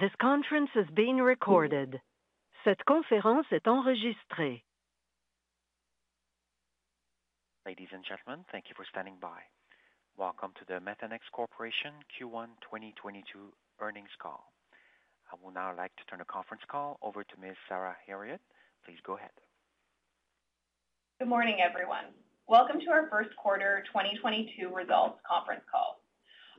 This conference is being recorded. Ladies and gentlemen, thank you for standing by. Welcome to the Methanex Corporation Q1 2022 earnings call. I would now like to turn the conference call over to Ms. Sarah Herriott. Please go ahead. Good morning, everyone. Welcome to our Q1 2022 results conference call.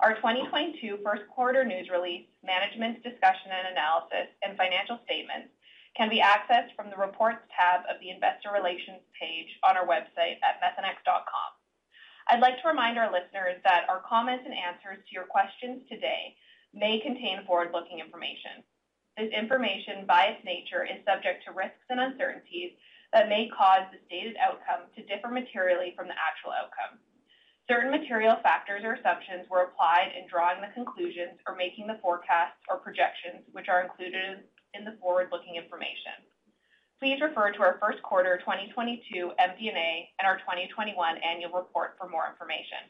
Our 2022 Q1 news release, management's discussion and analysis, and financial statements can be accessed from the Reports tab of the Investor Relations page on our website at methanex.com. I'd like to remind our listeners that our comments and answers to your questions today may contain forward-looking information. This information, by its nature, is subject to risks and uncertainties that may cause the stated outcome to differ materially from the actual outcome. Certain material factors or assumptions were applied in drawing the conclusions or making the forecasts or projections, which are included in the forward-looking information. Please refer to our Q1 2022 MD&A and our 2021 annual report for more information.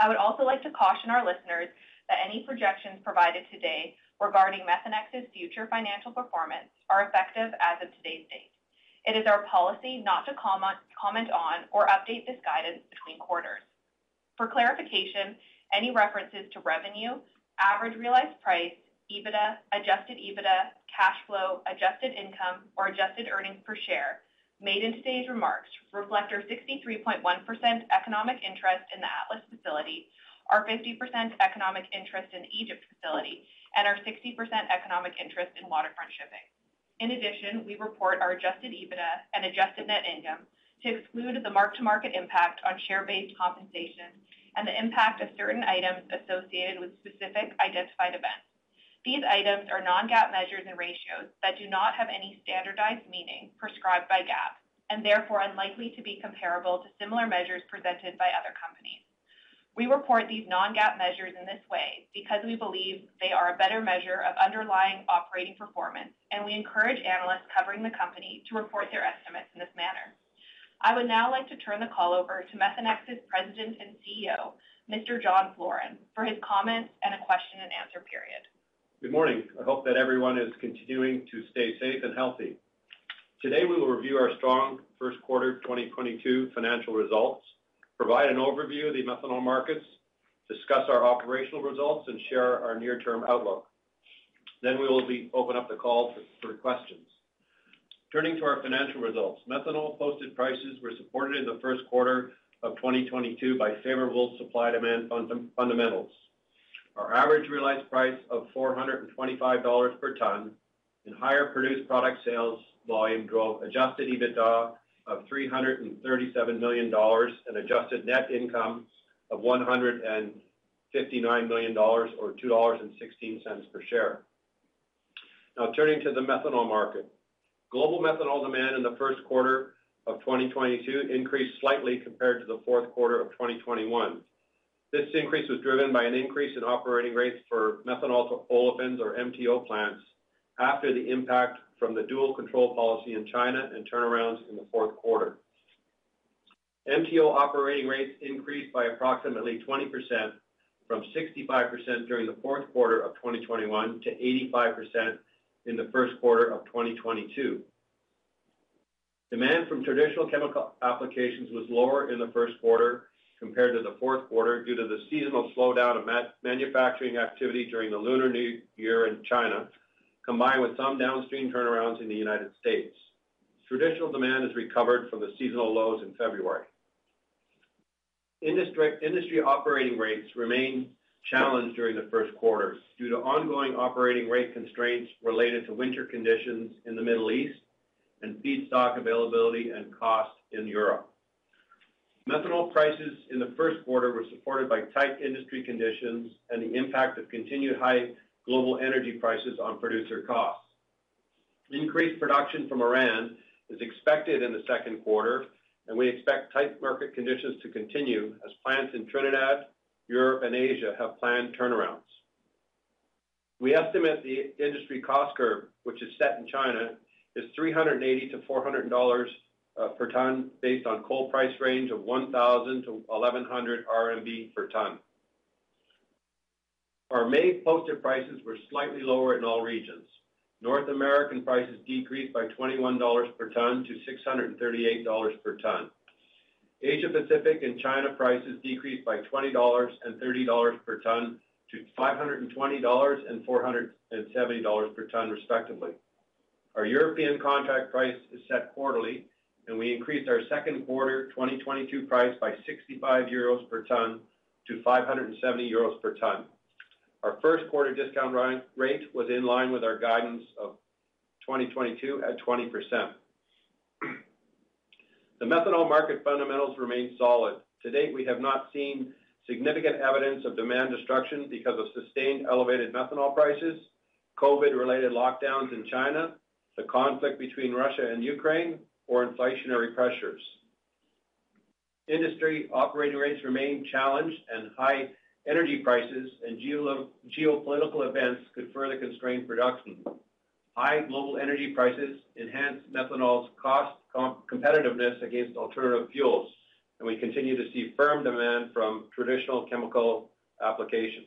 I would also like to caution our listeners that any projections provided today regarding Methanex's future financial performance are effective as of today's date. It is our policy not to comment on or update this guidance between quarters. For clarification, any references to revenue, average realized price, EBITDA, adjusted EBITDA, cash flow, adjusted income, or adjusted earnings per share made in today's remarks reflect our 63.1% economic interest in the Atlas facility, our 50% economic interest in Egypt facility, and our 60% economic interest in Waterfront Shipping. In addition, we report our adjusted EBITDA and adjusted net income to exclude the mark-to-market impact on share-based compensation and the impact of certain items associated with specific identified events. These items are non-GAAP measures and ratios that do not have any standardized meaning prescribed by GAAP and therefore unlikely to be comparable to similar measures presented by other companies. We report these non-GAAP measures in this way because we believe they are a better measure of underlying operating performance, and we encourage analysts covering the company to report their estimates in this manner. I would now like to turn the call over to Methanex's President and CEO, Mr. John Floren, for his comments and a question and answer period. Good morning. I hope that everyone is continuing to stay safe and healthy. Today, we will review our strong Q1 2022 financial results, provide an overview of the methanol markets, discuss our operational results, and share our near-term outlook. We will open up the call for questions. Turning to our financial results, methanol posted prices were supported in the Q1 of 2022 by favorable supply-demand fundamentals. Our average realized price of $425 per ton and higher produced product sales volume drove adjusted EBITDA of $337 million and adjusted net income of $159 million or $2.16 per share. Now turning to the methanol market. Global methanol demand in the Q1 of 2022 increased slightly compared to the Q4 of 2021. This increase was driven by an increase in operating rates for methanol to olefins or MTO plants after the impact from the dual control policy in China and turnarounds in the Q4. MTO operating rates increased by approximately 20% from 65% during the Q4 of 2021 to 85% in the Q1 of 2022. Demand from traditional chemical applications was lower in the Q1 compared to the Q4 due to the seasonal slowdown of manufacturing activity during the Lunar New Year in China, combined with some downstream turnarounds in the United States. Traditional demand has recovered from the seasonal lows in February. Industry operating rates remained challenged during the Q1 due to ongoing operating rate constraints related to winter conditions in the Middle East and feedstock availability and cost in Europe. Methanol prices in the Q1 were supported by tight industry conditions and the impact of continued high global energy prices on producer costs. Increased production from Iran is expected in the Q2, and we expect tight market conditions to continue as plants in Trinidad, Europe, and Asia have planned turnarounds. We estimate the industry cost curve, which is set in China, is $380-$400 per ton based on coal price range of 1,000-1,100 RMB per ton. Our May posted prices were slightly lower in all regions. North American prices decreased by $21 per ton to $638 per ton. Asia Pacific and China prices decreased by $20 and $30 per ton to $520 and $470 per ton, respectively. Our European contract price is set quarterly, and we increased our Q2 2022 price by 65 euros per ton to 570 euros per ton. Our Q1 discount rate was in line with our guidance of 2022 at 20%. The methanol market fundamentals remain solid. To date, we have not seen significant evidence of demand destruction because of sustained elevated methanol prices, COVID-related lockdowns in China, the conflict between Russia and Ukraine, or inflationary pressures. Industry operating rates remain challenged, and high energy prices and geopolitical events could further constrain production. High global energy prices enhance methanol's cost competitiveness against alternative fuels, and we continue to see firm demand from traditional chemical applications.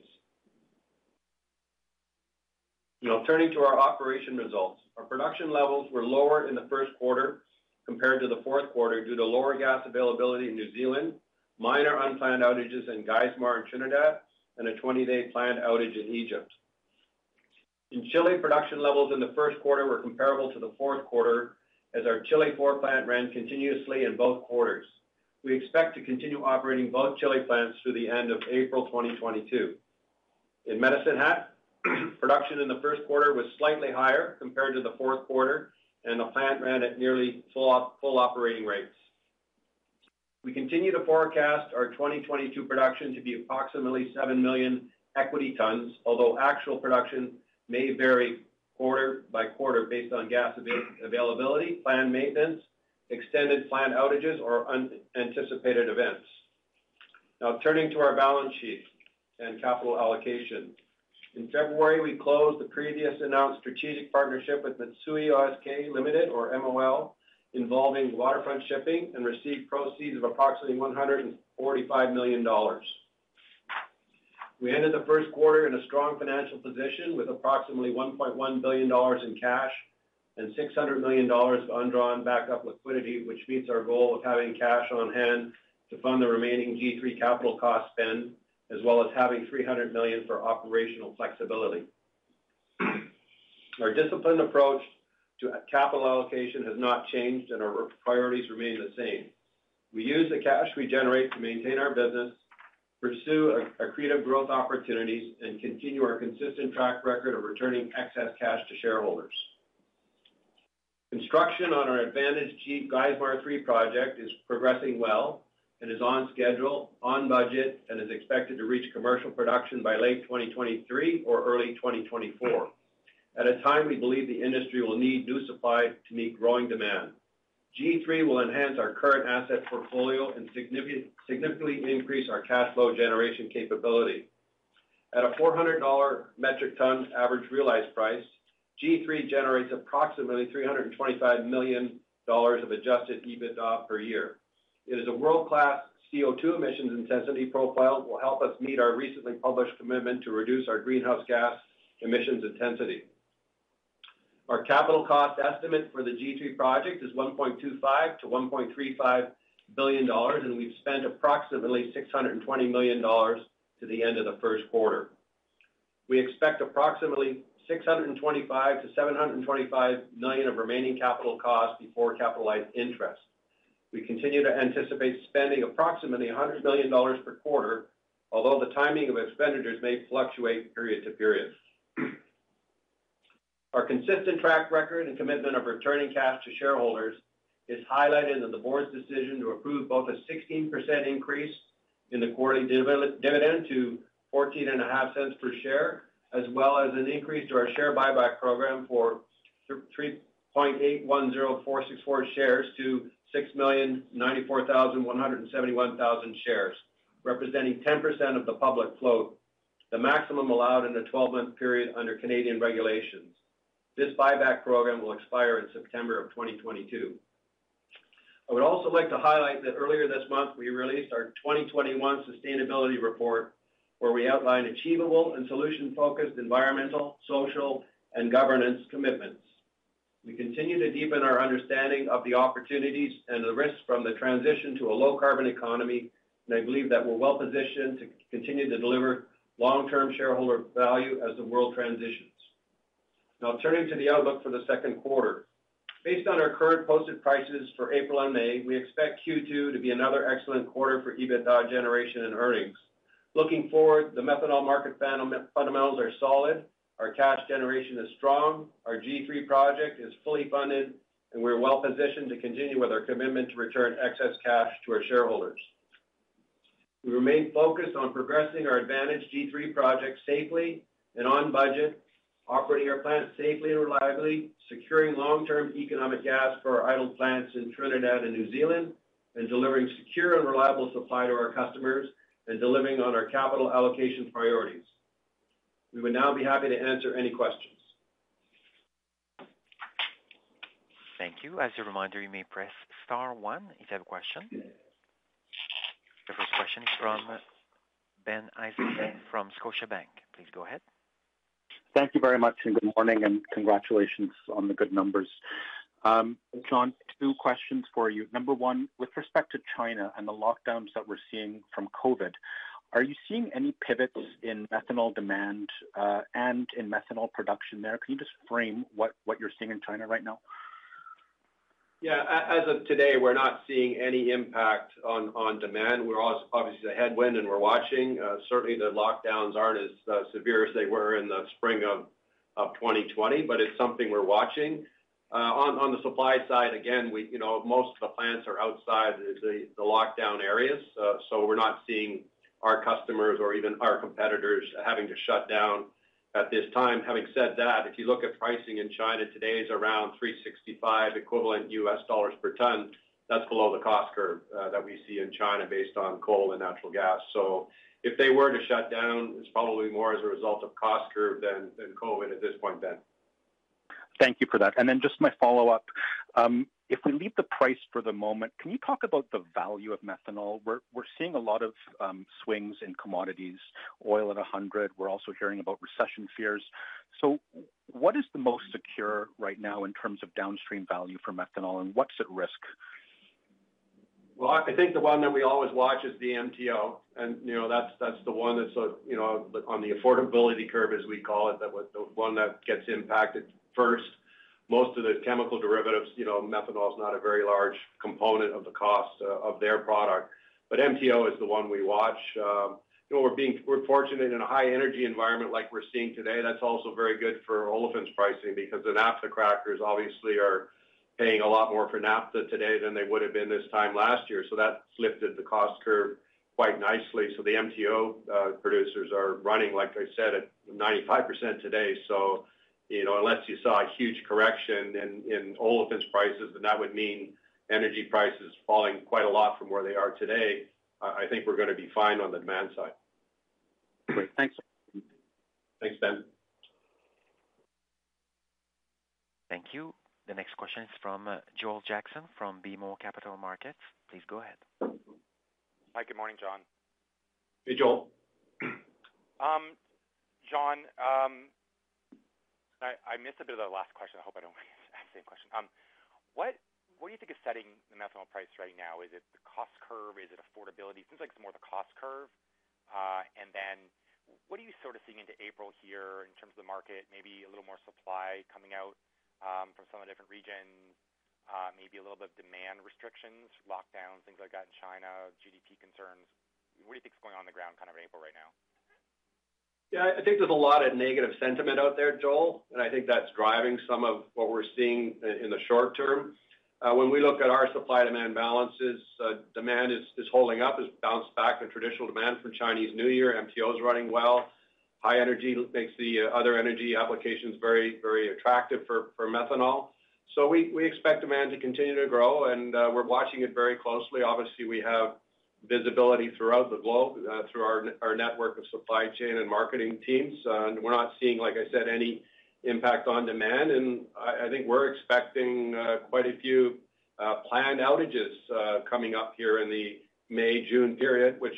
Now turning to our operational results. Our production levels were lower in the Q1 compared to the Q4 due to lower gas availability in New Zealand, minor unplanned outages in Geismar and Trinidad, and a 20-day planned outage in Egypt. In Chile, production levels in the Q1 were comparable to the Q4 as our Chile four plant ran continuously in both quarters. We expect to continue operating both Chile plants through the end of April 2022. In Medicine Hat, production in the Q1 was slightly higher compared to the Q4, and the plant ran at nearly full operating rates. We continue to forecast our 2022 production to be approximately 7 million equity tons, although actual production may vary quarter by quarter based on gas availability, planned maintenance, extended plant outages, or unanticipated events. Now turning to our balance sheet and capital allocation. In February, we closed the previously announced strategic partnership with Mitsui O.S.K. Lines, Ltd. or MOL involving Waterfront Shipping and received proceeds of approximately $145 million. We ended the Q1 in a strong financial position with approximately $1.1 billion in cash and $600 million of undrawn backup liquidity, which meets our goal of having cash on hand to fund the remaining G3 capital cost spend, as well as having $300 million for operational flexibility. Our disciplined approach to capital allocation has not changed, and our priorities remain the same. We use the cash we generate to maintain our business, pursue accretive growth opportunities, and continue our consistent track record of returning excess cash to shareholders. Construction on our advantaged Geismar 3 project is progressing well and is on schedule, on budget, and is expected to reach commercial production by late 2023 or early 2024. At a time we believe the industry will need new supply to meet growing demand. G3 will enhance our current asset portfolio and significantly increase our cash flow generation capability. At a $400 per metric ton average realized price, G3 generates approximately $325 million of adjusted EBITDA per year. It has a world-class CO2 emissions intensity profile will help us meet our recently published commitment to reduce our greenhouse gas emissions intensity. Our capital cost estimate for the G3 project is $1.25-$1.35 billion, and we've spent approximately $620 million to the end of the Q1. We expect approximately $625-$725 million of remaining capital costs before capitalized interest. We continue to anticipate spending approximately $100 million per quarter, although the timing of expenditures may fluctuate period to period. Our consistent track record and commitment of returning cash to shareholders is highlighted in the board's decision to approve both a 16% increase in the quarterly dividend to $0.145 per share, as well as an increase to our share buyback program from 3,810,464 shares to 6,094,171 shares, representing 10% of the public float, the maximum allowed in a twelve-month period under Canadian regulations. This buyback program will expire in September of 2022. I would also like to highlight that earlier this month, we released our 2021 sustainability report, where we outlined achievable and solution-focused environmental, social, and governance commitments. We continue to deepen our understanding of the opportunities and the risks from the transition to a low carbon economy, and I believe that we're well positioned to continue to deliver long-term shareholder value as the world transitions. Now turning to the outlook for the Q2. Based on our current posted prices for April and May, we expect Q2 to be another excellent quarter for EBITDA generation and earnings. Looking forward, the methanol market fundamentals are solid. Our cash generation is strong. Our G3 project is fully funded, and we're well positioned to continue with our commitment to return excess cash to our shareholders. We remain focused on progressing our Advantage G3 project safely and on budget, operating our plants safely and reliably, securing long-term economic gas for our idle plants in Trinidad and New Zealand, and delivering secure and reliable supply to our customers and delivering on our capital allocation priorities. We would now be happy to answer any questions. Thank you. As a reminder, you may press star one if you have a question. The first question is from Ben Isaacson from Scotiabank. Please go ahead. Thank you very much, and good morning, and congratulations on the good numbers. John, two questions for you. Number one, with respect to China and the lockdowns that we're seeing from COVID, are you seeing any pivots in methanol demand, and in methanol production there? Can you just frame what you're seeing in China right now? Yeah. As of today, we're not seeing any impact on demand. We're also aware of the obvious headwind, and we're watching. Certainly the lockdowns aren't as severe as they were in the spring of 2020, but it's something we're watching. On the supply side, again, you know, most of the plants are outside the lockdown areas, so we're not seeing our customers or even our competitors having to shut down at this time. Having said that, if you look at pricing in China, today is around $365 equivalent per ton. That's below the cost curve that we see in China based on coal and natural gas. So if they were to shut down, it's probably more as a result of cost curve than COVID at this point, Ben. Thank you for that. Just my follow-up. If we leave the price for the moment, can you talk about the value of methanol? We're seeing a lot of swings in commodities, oil at 100. We are also hearing about recession fears. What is the most secure right now in terms of downstream value for methanol, and what's at risk? I think the one that we always watch is the MTO. You know, that's the one that's, you know, on the affordability curve, as we call it. That was the one that gets impacted first. Most of the chemical derivatives, you know, methanol is not a very large component of the cost of their product. MTO is the one we watch. You know, we are fortunate in a high energy environment like we're seeing today. That's also very good for olefins pricing because the naphtha crackers obviously are paying a lot more for naphtha today than they would have been this time last year. That's lifted the cost curve quite nicely. The MTO producers are running, like I said, at 95% today. You know, unless you saw a huge correction in olefins prices, and that would mean energy prices falling quite a lot from where they are today, I think we're gonna be fine on the demand side. Great. Thanks. Thanks, Ben. Thank you. The next question is from Joel Jackson from BMO Capital Markets. Please go ahead. Hi, good morning, John. Hey, Joel. John, I missed a bit of the last question. I hope I don't ask the same question. What do you think is setting the methanol price right now? Is it the cost curve? Is it affordability? Seems like it's more the cost curve. What are you sort of seeing into April here in terms of the market, maybe a little more supply coming out from some of the different regions, maybe a little bit of demand restrictions, lockdowns, things like that in China, GDP concerns. What do you think is going on on the ground kind of in April right now? Yeah, I think there's a lot of negative sentiment out there, Joel, and I think that's driving some of what we're seeing in the short term. When we look at our supply demand balances, demand is holding up, has bounced back to traditional demand for Chinese New Year. MTO is running well. High energy makes the other energy applications very attractive for methanol. We expect demand to continue to grow, and we're watching it very closely. Obviously, we have visibility throughout the globe through our network of supply chain and marketing teams. We're not seeing, like I said, any impact on demand. I think we're expecting quite a few planned outages coming up here in the May-June period, which,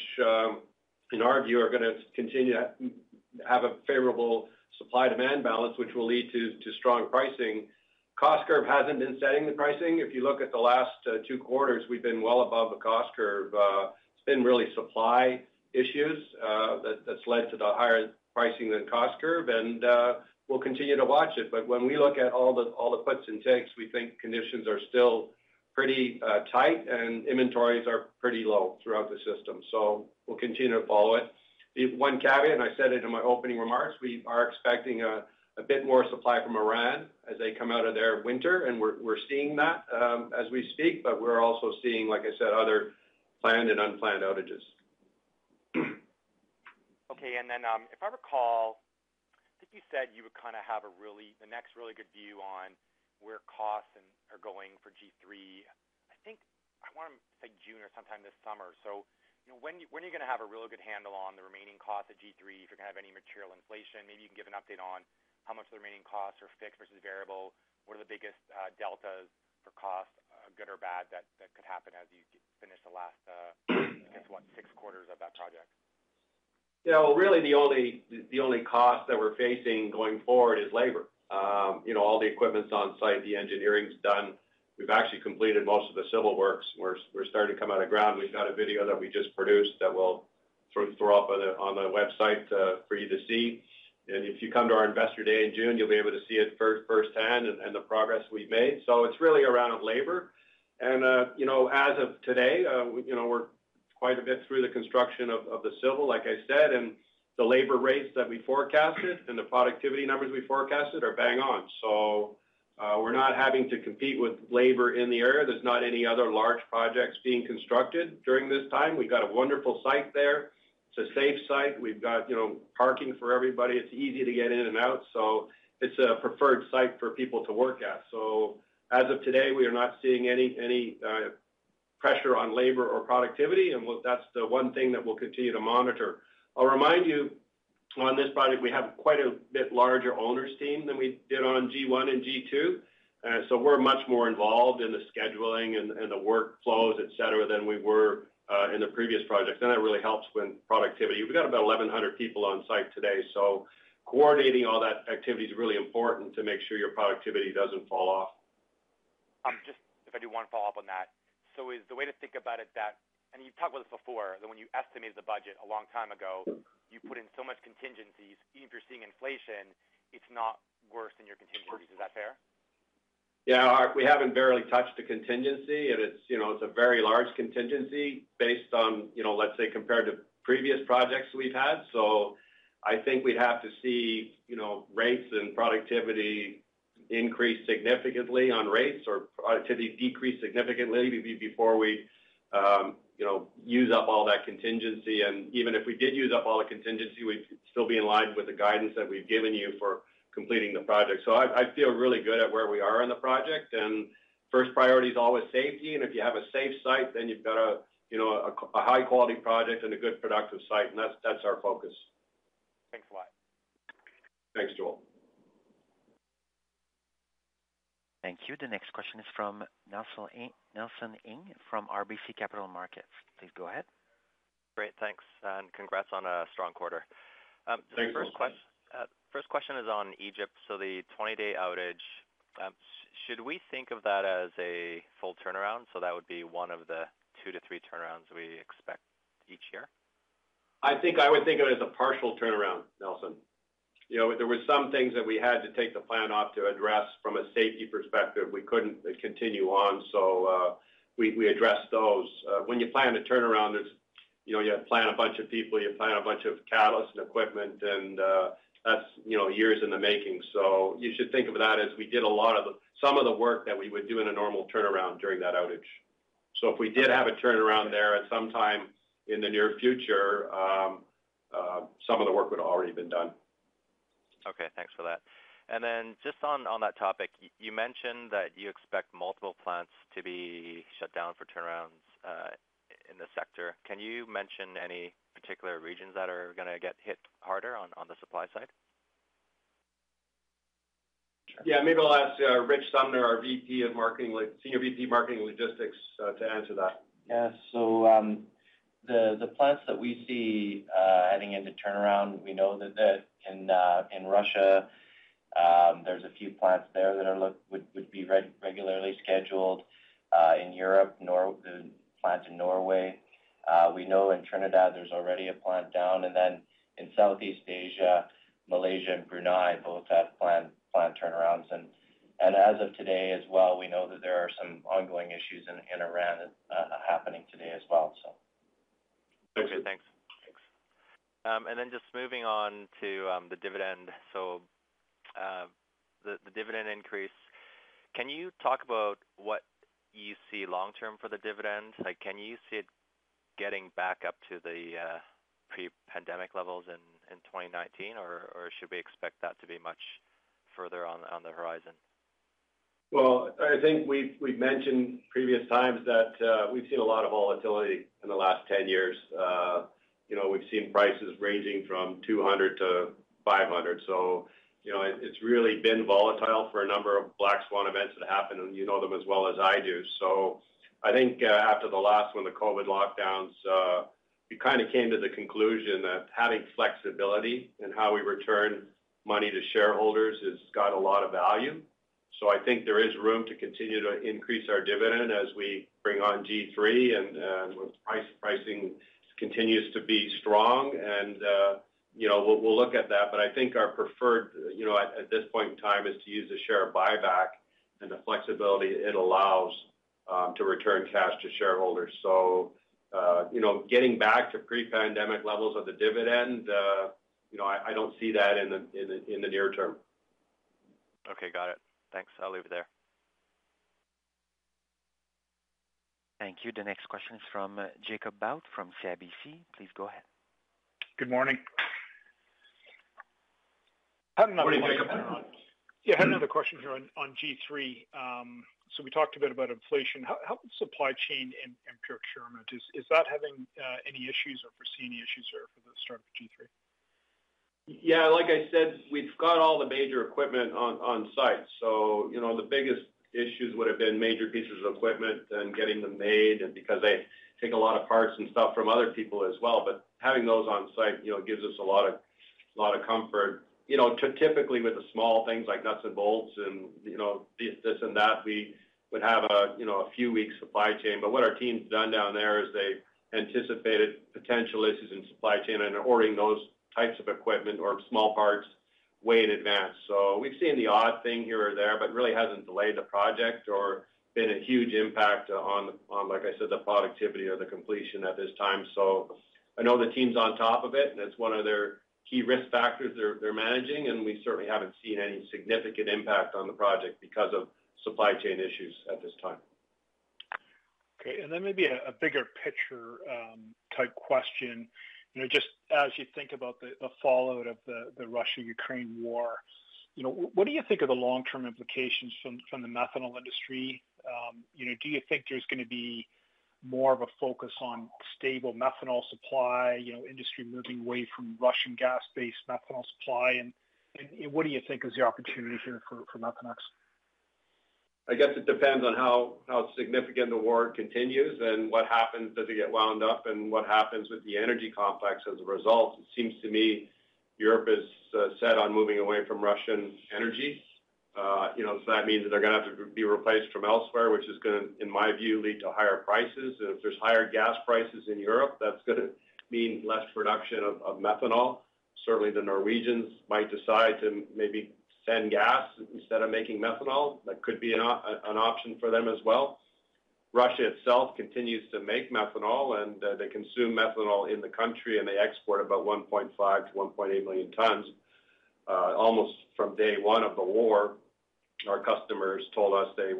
in our view, are gonna continue to have a favorable supply-demand balance, which will lead to strong pricing. Cost curve hasn't been setting the pricing. If you look at the last two quarters, we've been well above the cost curve. It's been really supply issues that's led to the higher pricing than cost curve, and we'll continue to watch it. When we look at all the puts and takes, we think conditions are still pretty tight and inventories are pretty low throughout the system. We'll continue to follow it. The one caveat, and I said it in my opening remarks, we are expecting a bit more supply from Iran as they come out of their winter, and we're seeing that as we speak. We're also seeing, like I said, other planned and unplanned outages. Okay. If I recall, I think you said you would have the next really good view on where costs are going for G3. I think I want to say June or sometime this summer. You know, when are you gonna have a really good handle on the remaining cost of G3? If you're gonna have any material inflation, maybe you can give an update on how much the remaining costs are fixed versus variable. What are the biggest deltas for cost, good or bad, that could happen as you finish the last, I guess, what? Six quarters of that project. You know, really the only cost that we're facing going forward is labor. You know, all the equipment's on site, the engineering's done. We've actually completed most of the civil works. We're starting to come out of ground. We've got a video that we just produced that we'll sort of throw up on the website for you to see. If you come to our Investor Day in June, you'll be able to see it firsthand and the progress we've made. It's really around labor. As of today, we're quite a bit through the construction of the civil, like I said, and the labor rates that we forecasted and the productivity numbers we forecasted are bang on. We're not having to compete with labor in the area. There's not any other large projects being constructed during this time. We got a wonderful site there. It's a safe site. We've got, you know, parking for everybody. It's easy to get in and out. It's a preferred site for people to work at. As of today, we are not seeing any pressure on labor or productivity. That's the one thing that we'll continue to monitor. I'll remind you on this project, we have quite a bit larger owners team than we did on G1 and G2. We're much more involved in the scheduling and the workflows, et cetera, than we were in the previous projects. That really helps when productivity. We've got about 1,100 people on site today, so coordinating all that activity is really important to make sure your productivity doesn't fall off. Just if I do one follow-up on that. Is the way to think about it that, and you've talked about this before, that when you estimated the budget a long time ago, you put in so much contingencies, even if you're seeing inflation, it's not worse than your contingencies. Is that fair? Yeah. We haven't barely touched a contingency, and it's, you know, it's a very large contingency based on, you know, let's say, compared to previous projects we've had. I think we'd have to see, you know, rates and productivity increase significantly on rates or productivity decrease significantly before we, you know, use up all that contingency. Even if we did use up all the contingency, we'd still be in line with the guidance that we've given you for completing the project. I feel really good at where we are in the project, and first priority is always safety. If you have a safe site, then you've got a, you know, a high-quality project and a good productive site, and that's our focus. Thanks a lot. Thanks, Joel. Thank you. The next question is from Nelson Ng from RBC Capital Markets. Please go ahead. Great, thanks, and congrats on a strong quarter. Thanks, Nelson. The first question is on Egypt. The 20-day outage, should we think of that as a full turnaround? That would be one of the 2-3 turnarounds we expect each year? I think I would think of it as a partial turnaround, Nelson. You know, there were some things that we had to take the plant off to address from a safety perspective. We couldn't continue on, so we addressed those. When you plan to turn around, there's you know, you plan a bunch of people, you plan a bunch of catalyst and equipment, and that's you know, years in the making. You should think of that as we did some of the work that we would do in a normal turnaround during that outage. If we did have a turnaround there at some time in the near future, some of the work would already been done. Okay, thanks for that. Just on that topic, you mentioned that you expect multiple plants to be shut down for turnarounds in the sector. Can you mention any particular regions that are gonna get hit harder on the supply side? Yeah. Maybe I'll ask Rich Sumner, our Senior VP Marketing and Logistics, to answer that. Yeah. The plants that we see heading into turnaround, we know that in Russia there's a few plants there that would be regularly scheduled. In Europe, plants in Norway. We know in Trinidad there's already a plant down. In Southeast Asia, Malaysia and Brunei both have plant turnarounds. As of today as well, we know that there are some ongoing issues in Iran happening today as well. Okay. Thanks. Thanks. just moving on to the dividend. The dividend increase, can you talk about what you see long term for the dividend? Like, can you see it getting back up to the pre-pandemic levels in 2019 or should we expect that to be much further on the horizon? I think we've mentioned previous times that we've seen a lot of volatility in the last 10 years. You know, we've seen prices ranging from $200-$500. You know, it's really been volatile for a number of black swan events that happened, and you know them as well as I do. I think, after the last one, the COVID lockdowns, we kinda came to the conclusion that having flexibility in how we return money to shareholders has got a lot of value. I think there is room to continue to increase our dividend as we bring on G3 and with pricing continues to be strong. You know, we'll look at that. I think our preferred, you know, at this point in time is to use the share buyback and the flexibility it allows to return cash to shareholders. You know, getting back to pre-pandemic levels of the dividend, you know, I don't see that in the near term. Okay. Got it. Thanks. I'll leave it there. Thank you. The next question is from Jacob Bout from CIBC. Please go ahead. Good morning. Morning, Jacob. How are you? Yeah, I had another question here on G3. We talked a bit about inflation. How can supply chain and procurement is that having any issues or foresee any issues there for the start of G3? Yeah. Like I said, we've got all the major equipment on site. You know, the biggest issues would have been major pieces of equipment and getting them made, and because they take a lot of parts and stuff from other people as well. Having those on site, you know, gives us a lot of comfort. You know, typically, with the small things like nuts and bolts and, you know, this and that, we would have a few weeks supply chain. What our team's done down there is they anticipated potential issues in supply chain and ordering those types of equipment or small parts way in advance. We've seen the odd thing here or there, but really hasn't delayed the project or been a huge impact on, like I said, the productivity or the completion at this time. I know the team's on top of it, and it's one of their key risk factors they're managing, and we certainly haven't seen any significant impact on the project because of supply chain issues at this time. Okay. Maybe a bigger picture type question. You know, just as you think about the fallout of the Russia-Ukraine war, you know, what do you think are the long-term implications from the methanol industry? You know, do you think there's gonna be more of a focus on stable methanol supply, you know, industry moving away from Russian gas-based methanol supply? What do you think is the opportunity here for Methanex? I guess it depends on how significant the war continues and what happens. Does it get wound up, and what happens with the energy complex as a result? It seems to me Europe is set on moving away from Russian energy. You know, that means that they're gonna have to be replaced from elsewhere, which is gonna, in my view, lead to higher prices. If there's higher gas prices in Europe, that's gonna mean less production of methanol. Certainly, the Norwegians might decide to maybe send gas instead of making methanol. That could be an option for them as well. Russia itself continues to make methanol, and they consume methanol in the country, and they export about 1.5-1.8 million tons. Almost from day one of the war, our customers told us they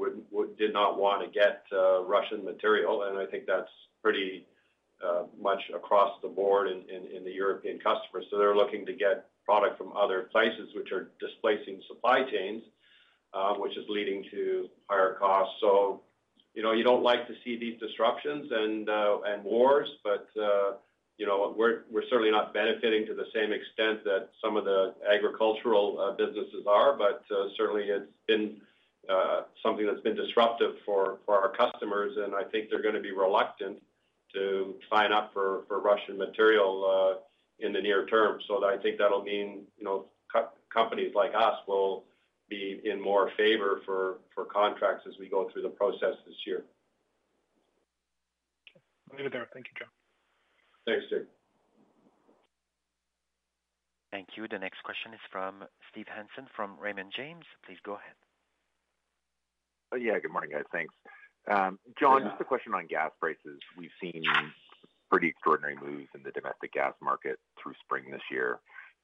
did not wanna get Russian material, and I think that's pretty much across the board in the European customers. They're looking to get product from other places which are displacing supply chains, which is leading to higher costs. You know, you don't like to see these disruptions and wars, but you know, we're certainly not benefiting to the same extent that some of the agricultural businesses are. Certainly it's been something that's been disruptive for our customers, and I think they're gonna be reluctant to sign up for Russian material in the near term. I think that'll mean, you know, companies like us will be in more favor for contracts as we go through the process this year. Okay. Leave it there. Thank you, John. Thanks, Jacob. Thank you. The next question is from Steve Hansen from Raymond James. Please go ahead. Yeah. Good morning, guys. Thanks. John, just a question on gas prices. We've seen pretty extraordinary moves in the domestic gas market through spring this year.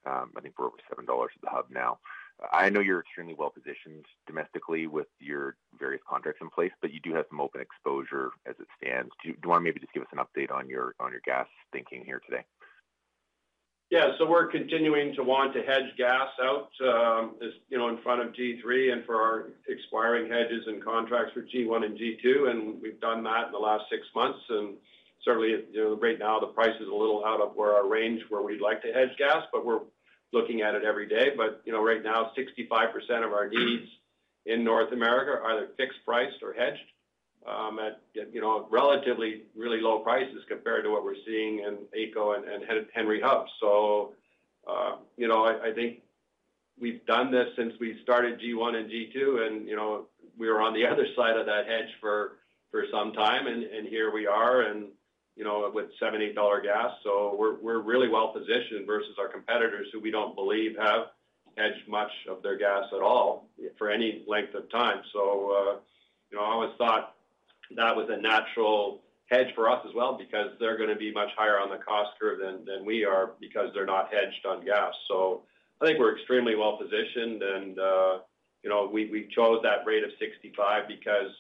I think we're over $7 at the hub now. I know you're extremely well-positioned domestically with your various contracts in place, but you do have some open exposure as it stands. Do you wanna maybe just give us an update on your gas thinking here today? Yeah. We're continuing to want to hedge gas out, as you know, in front of G3 and for our expiring hedges and contracts for G1 and G2, and we've done that in the last six months. Certainly, you know, right now the price is a little out of where our range, where we'd like to hedge gas, but we're looking at it every day. You know, right now, 65% of our needs in North America are either fixed priced or hedged at, you know, relatively really low prices compared to what we're seeing in AECO and Henry Hub. You know, I think we've done this since we started G1 and G2 and, you know, we were on the other side of that hedge for some time, and here we are and, you know, with $70-$80 gas. We're really well positioned versus our competitors who we don't believe have hedged much of their gas at all for any length of time. You know, I always thought that was a natural hedge for us as well because they're gonna be much higher on the cost curve than we are because they're not hedged on gas. I think we're extremely well positioned and, you know, we chose that rate of 65 because,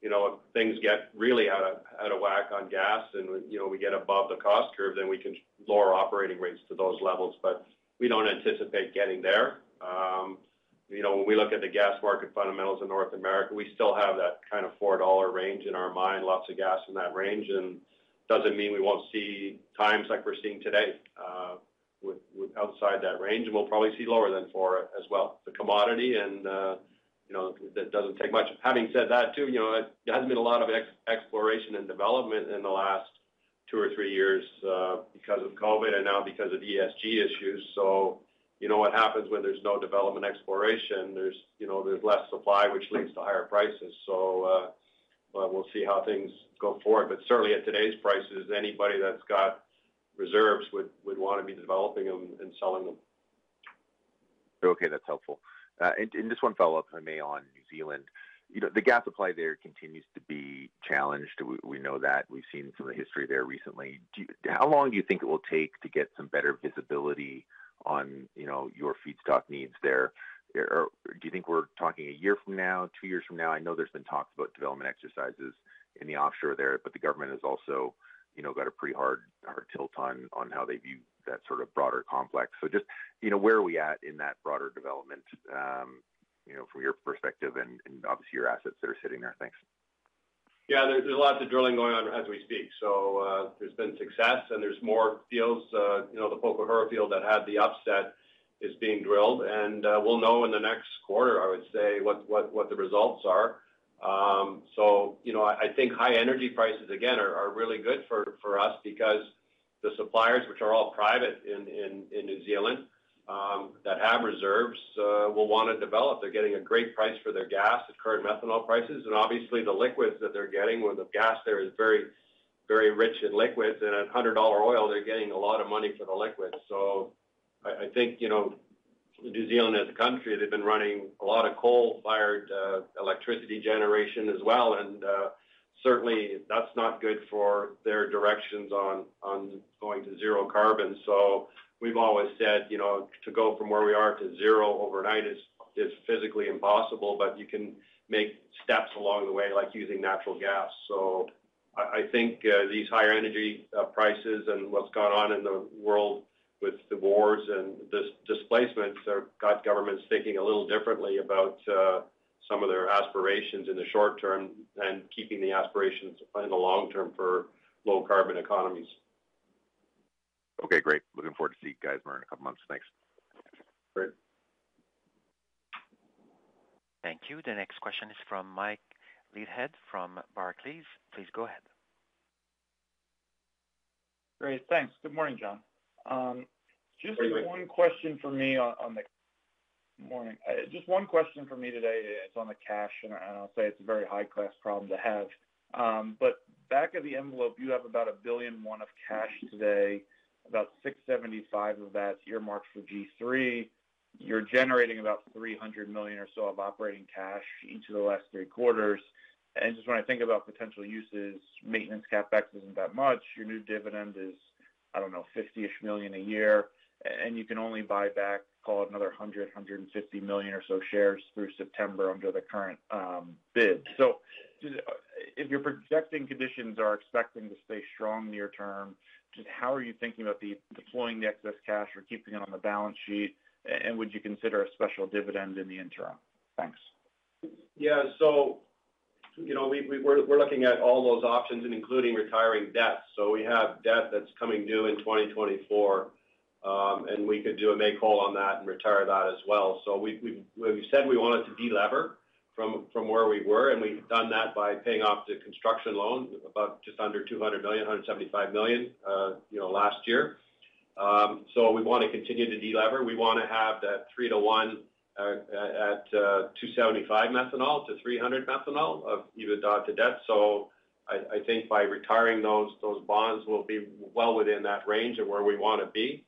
you know, if things get really out of whack on gas and, you know, we get above the cost curve, then we can lower operating rates to those levels. We don't anticipate getting there. You know, when we look at the gas market fundamentals in North America, we still have that kind of $4 range in our mind, lots of gas in that range, and doesn't mean we won't see times like we're seeing today, with outside that range, and we'll probably see lower than $4 as well. The commodity and, you know, that doesn't take much. Having said that too, you know, there hasn't been a lot of exploration and development in the last two or three years, because of COVID and now because of ESG issues. You know what happens when there's no development exploration, there's less supply, which leads to higher prices. We'll see how things go forward. Certainly at today's prices, anybody that's got reserves would wanna be developing them and selling them. Okay. That's helpful. Just one follow-up, if I may, on New Zealand. You know, the gas supply there continues to be challenged. We know that. We've seen some of the history there recently. How long do you think it will take to get some better visibility on, you know, your feedstock needs there? Or do you think we're talking a year from now, two years from now? I know there's been talks about development exercises in the offshore there, but the government has also, you know, got a pretty hard tilt on how they view that sort of broader complex. Just, you know, where are we at in that broader development, you know, from your perspective and obviously your assets that are sitting there? Thanks. Yeah. There's lots of drilling going on as we speak. There's been success and there's more fields. You know, the Pohokura field that had the upset is being drilled, and we'll know in the next quarter, I would say, what the results are. You know, I think high energy prices, again, are really good for us because the suppliers, which are all private in New Zealand, that have reserves, will wanna develop. They're getting a great price for their gas at current methanol prices, and obviously the liquids that they're getting where the gas there is very rich in liquids. At $100 oil, they're getting a lot of money for the liquids. I think, you know, New Zealand as a country, they've been running a lot of coal-fired electricity generation as well, and certainly that's not good for their directions on going to zero carbon. We've always said, you know, to go from where we are to zero overnight is physically impossible, but you can make steps along the way, like using natural gas. I think these higher energy prices and what's gone on in the world with the wars and displacements have got governments thinking a little differently about some of their aspirations in the short term and keeping the aspirations in the long term for low carbon economies. Okay, great. Looking forward to seeing you guys more in a couple of months. Thanks. Great. Thank you. The next question is from Mike Leithead from Barclays. Please go ahead. Great. Thanks. Good morning, John. Just one question for me today. It's on the cash, and I'll say it's a very high-class problem to have. Back of the envelope, you have about $1.1 billion of cash today, about $675 million of that's earmarked for G3. You're generating about $300 million or so of operating cash each of the last three quarters. Just when I think about potential uses, maintenance CapEx isn't that much. Your new dividend is, I don't know, $50-ish million a year, and you can only buy back, call it another $100-$150 million or so shares through September under the current bid. Do- If you're projecting conditions are expected to stay strong near term, just how are you thinking about deploying the excess cash or keeping it on the balance sheet? And would you consider a special dividend in the interim? Thanks. Yeah. You know, we're looking at all those options including retiring debt. We have debt that's coming due in 2024, and we could do a make-whole on that and retire that as well. We said we wanted to delever from where we were, and we've done that by paying off the construction loan about just under $200 million, $175 million, you know, last year. We wanna continue to delever. We wanna have that 3-to-1 at $275 methanol to $300 methanol of EBITDA to debt. I think by retiring those bonds, we'll be well within that range of where we wanna be.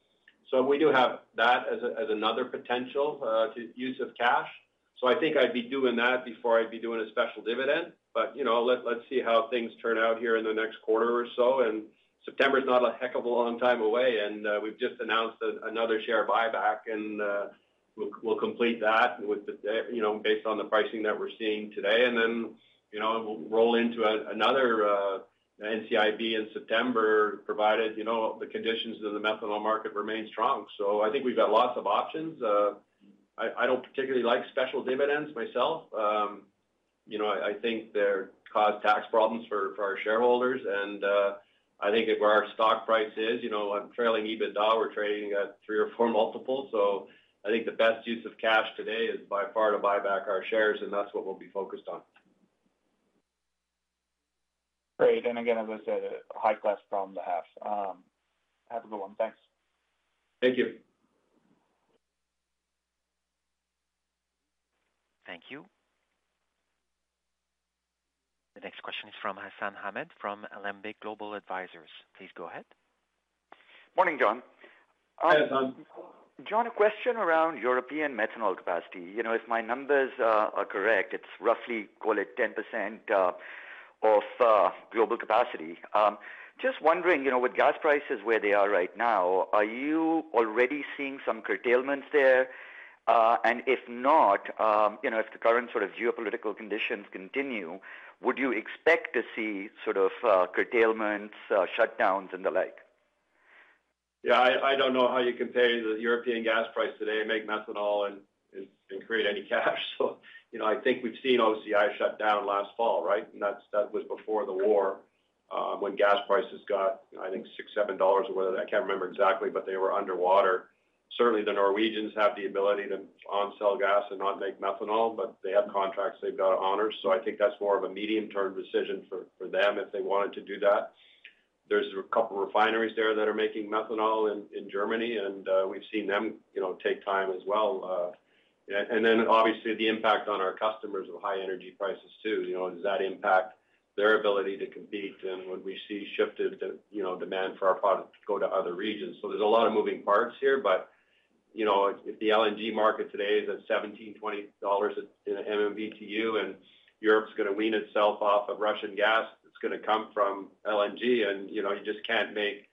We do have that as another potential use of cash. I think I'd be doing that before I'd be doing a special dividend. You know, let's see how things turn out here in the next quarter or so. September's not a heck of a long time away, and we've just announced another share buyback, and we'll complete that based on the pricing that we're seeing today. Then, you know, roll into another NCIB in September provided you know, the conditions of the methanol market remain strong. I think we've got lots of options. I don't particularly like special dividends myself. You know, I think they cause tax problems for our shareholders. I think if where our stock price is, you know, on trailing EBITDA, we're trading at 3 or 4 multiples. I think the best use of cash today is by far to buy back our shares, and that's what we'll be focused on. Great. Again, as I said, high-class problem to have. Have a good one. Thanks. Thank you. Thank you. The next question is from Hassan Ahmed from Alembic Global Advisors. Please go ahead. Morning, John. Hi, Hassan. John, a question around European methanol capacity. You know, if my numbers are correct, it's roughly, call it 10%, of global capacity. Just wondering, you know, with gas prices where they are right now, are you already seeing some curtailments there? And if not, you know, if the current sort of geopolitical conditions continue, would you expect to see sort of, curtailments, shutdowns and the like? I don't know how you compare the European gas price today, make methanol and create any cash. You know, I think we've seen OCI shut down last fall, right? That was before the war, when gas prices got, I think, $6-$7 or whatever. I can't remember exactly, but they were underwater. Certainly, the Norwegians have the ability to onsell gas and not make methanol, but they have contracts they've got to honor. I think that's more of a medium-term decision for them if they wanted to do that. There's a couple refineries there that are making methanol in Germany, and we've seen them, you know, take time as well. Obviously the impact on our customers with high energy prices too. You know, does that impact their ability to compete? Would we see shifted demand for our product to go to other regions? There's a lot of moving parts here. You know, if the LNG market today is at $17-$20/MMBtu, and Europe's gonna wean itself off of Russian gas, it's gonna come from LNG. You know, you just can't make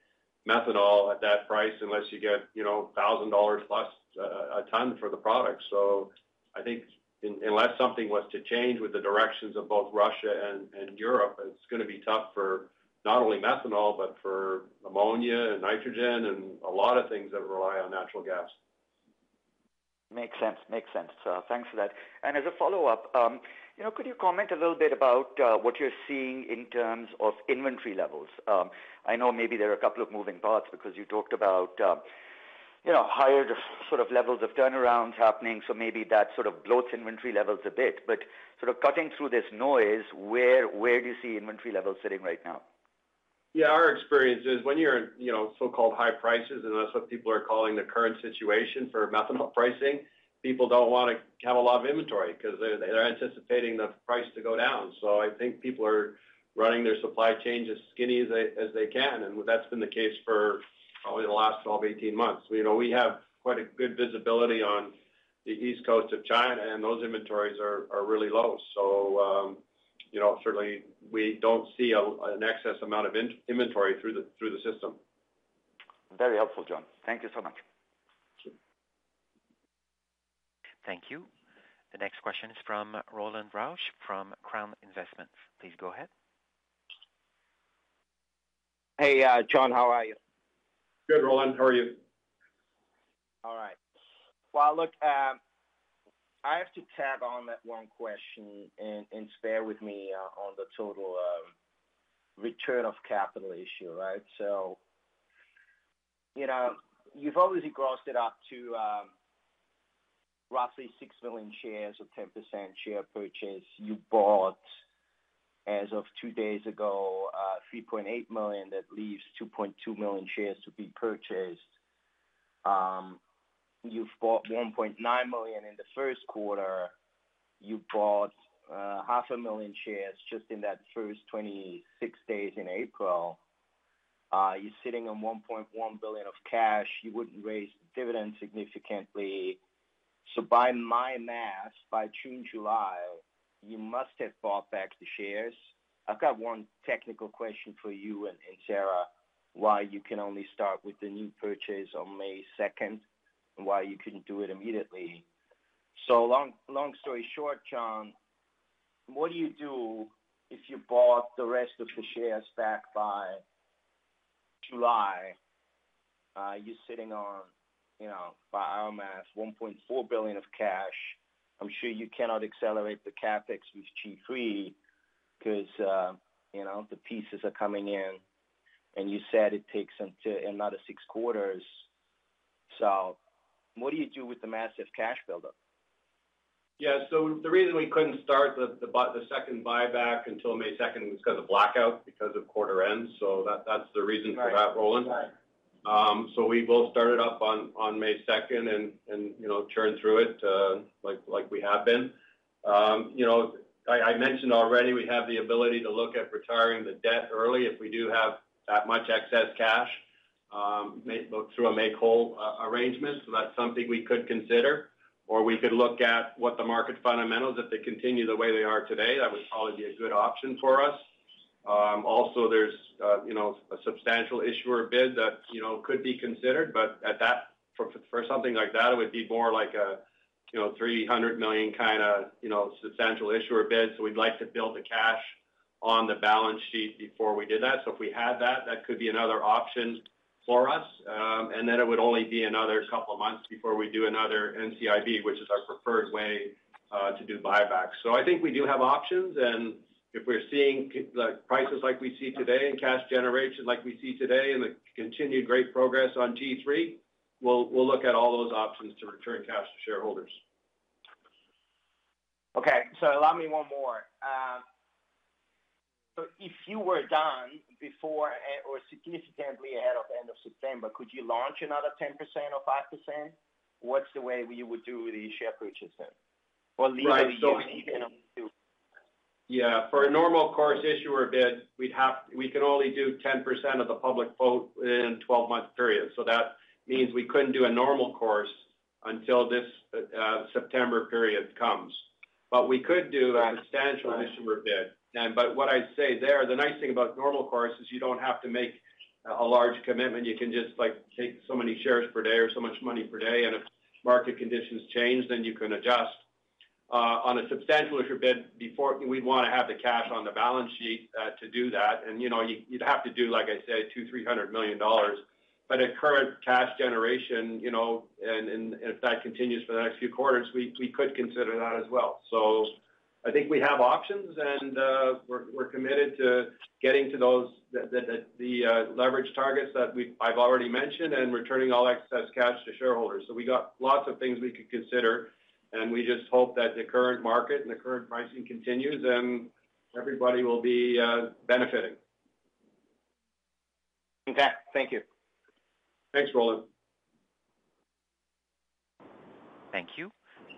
methanol at that price unless you get, you know, $1,000+ per ton for the product. I think unless something was to change with the directions of both Russia and Europe, it's gonna be tough for not only methanol, but for ammonia and nitrogen and a lot of things that rely on natural gas. Makes sense. Thanks for that. As a follow-up, you know, could you comment a little bit about what you're seeing in terms of inventory levels? I know maybe there are a couple of moving parts because you talked about, you know, higher sort of levels of turnarounds happening, so maybe that sort of bloats inventory levels a bit. But sort of cutting through this noise, where do you see inventory levels sitting right now? Yeah. Our experience is when you're in, you know, so-called high prices, and that's what people are calling the current situation for methanol pricing, people don't wanna have a lot of inventory because they're anticipating the price to go down. I think people are running their supply chain as skinny as they can, and that's been the case for probably the last 12, 18 months. You know, we have quite a good visibility on the east coast of China, and those inventories are really low. You know, certainly we don't see an excess amount of inventory through the system. Very helpful, John. Thank you so much. Thank you. Thank you. The next question is from Roland Rausch from Crown Investments. Please go ahead. Hey, John, how are you? Good, Roland. How are you? All right. Well, look, I have to tag on that one question and bear with me on the total return of capital issue, right? You know, you've already grossed it up to roughly 6 million shares or 10% share purchase. You bought, as of two days ago, 3.8 million. That leaves 2.2 million shares to be purchased. You've bought 1.9 million in the Q1. You bought half a million shares just in that first 26 days in April. You're sitting on $1.1 billion of cash. You wouldn't raise dividends significantly. By my math, by June, July, you must have bought back the shares. I've got one technical question for you and Sarah, why you can only start with the new purchase on May second, and why you couldn't do it immediately. Long story short, John, what do you do if you bought the rest of the shares back by July? You're sitting on, you know, by our math $1.4 billion of cash. I'm sure you cannot accelerate the CapEx with G3 because, you know, the pieces are coming in, and you said it takes until another six quarters. What do you do with the massive cash buildup? The reason we couldn't start the second buyback until May second was 'cause of blackout because of quarter end. That's the reason for that, Roland. Right. We will start it up on May second and, you know, churn through it, like we have been. You know, I mentioned already we have the ability to look at retiring the debt early if we do have that much excess cash, through a make-whole arrangement. That's something we could consider. Or we could look at what the market fundamentals, if they continue the way they are today, that would probably be a good option for us. Also there's, you know, a substantial issuer bid that, you know, could be considered, but for something like that, it would be more like a, you know, $300 million kind of substantial issuer bid. We'd like to build the cash on the balance sheet before we did that. If we had that could be another option for us. It would only be another couple of months before we do another NCIB, which is our preferred way to do buybacks. I think we do have options, and if we're seeing like prices like we see today and cash generation like we see today and the continued great progress on G3, we'll look at all those options to return cash to shareholders. Allow me one more. If you were done before or significantly ahead of end of September, could you launch another 10% or 5%? What's the way we would do the share purchase then? Or legally- Right. Economically do it? Yeah. For a normal course issuer bid, we can only do 10% of the public float in 12-month period. That means we couldn't do a normal course until this September period comes. We could do- Right. a substantial issuer bid. What I'd say there, the nice thing about normal course is you don't have to make a large commitment. You can just, like, take so many shares per day or so much money per day, and if market conditions change, then you can adjust. On a substantial issuer bid, before we'd wanna have the cash on the balance sheet to do that. You know, you'd have to do, like I said, $200 million-$300 million. But at current cash generation, you know, and if that continues for the next few quarters, we could consider that as well. I think we have options, and we are committed to getting to the leverage targets that I've already mentioned and returning all excess cash to shareholders. We got lots of things we could consider, and we just hope that the current market and the current pricing continues, and everybody will be benefiting. Okay. Thank you. Thanks, Roland. Thank you.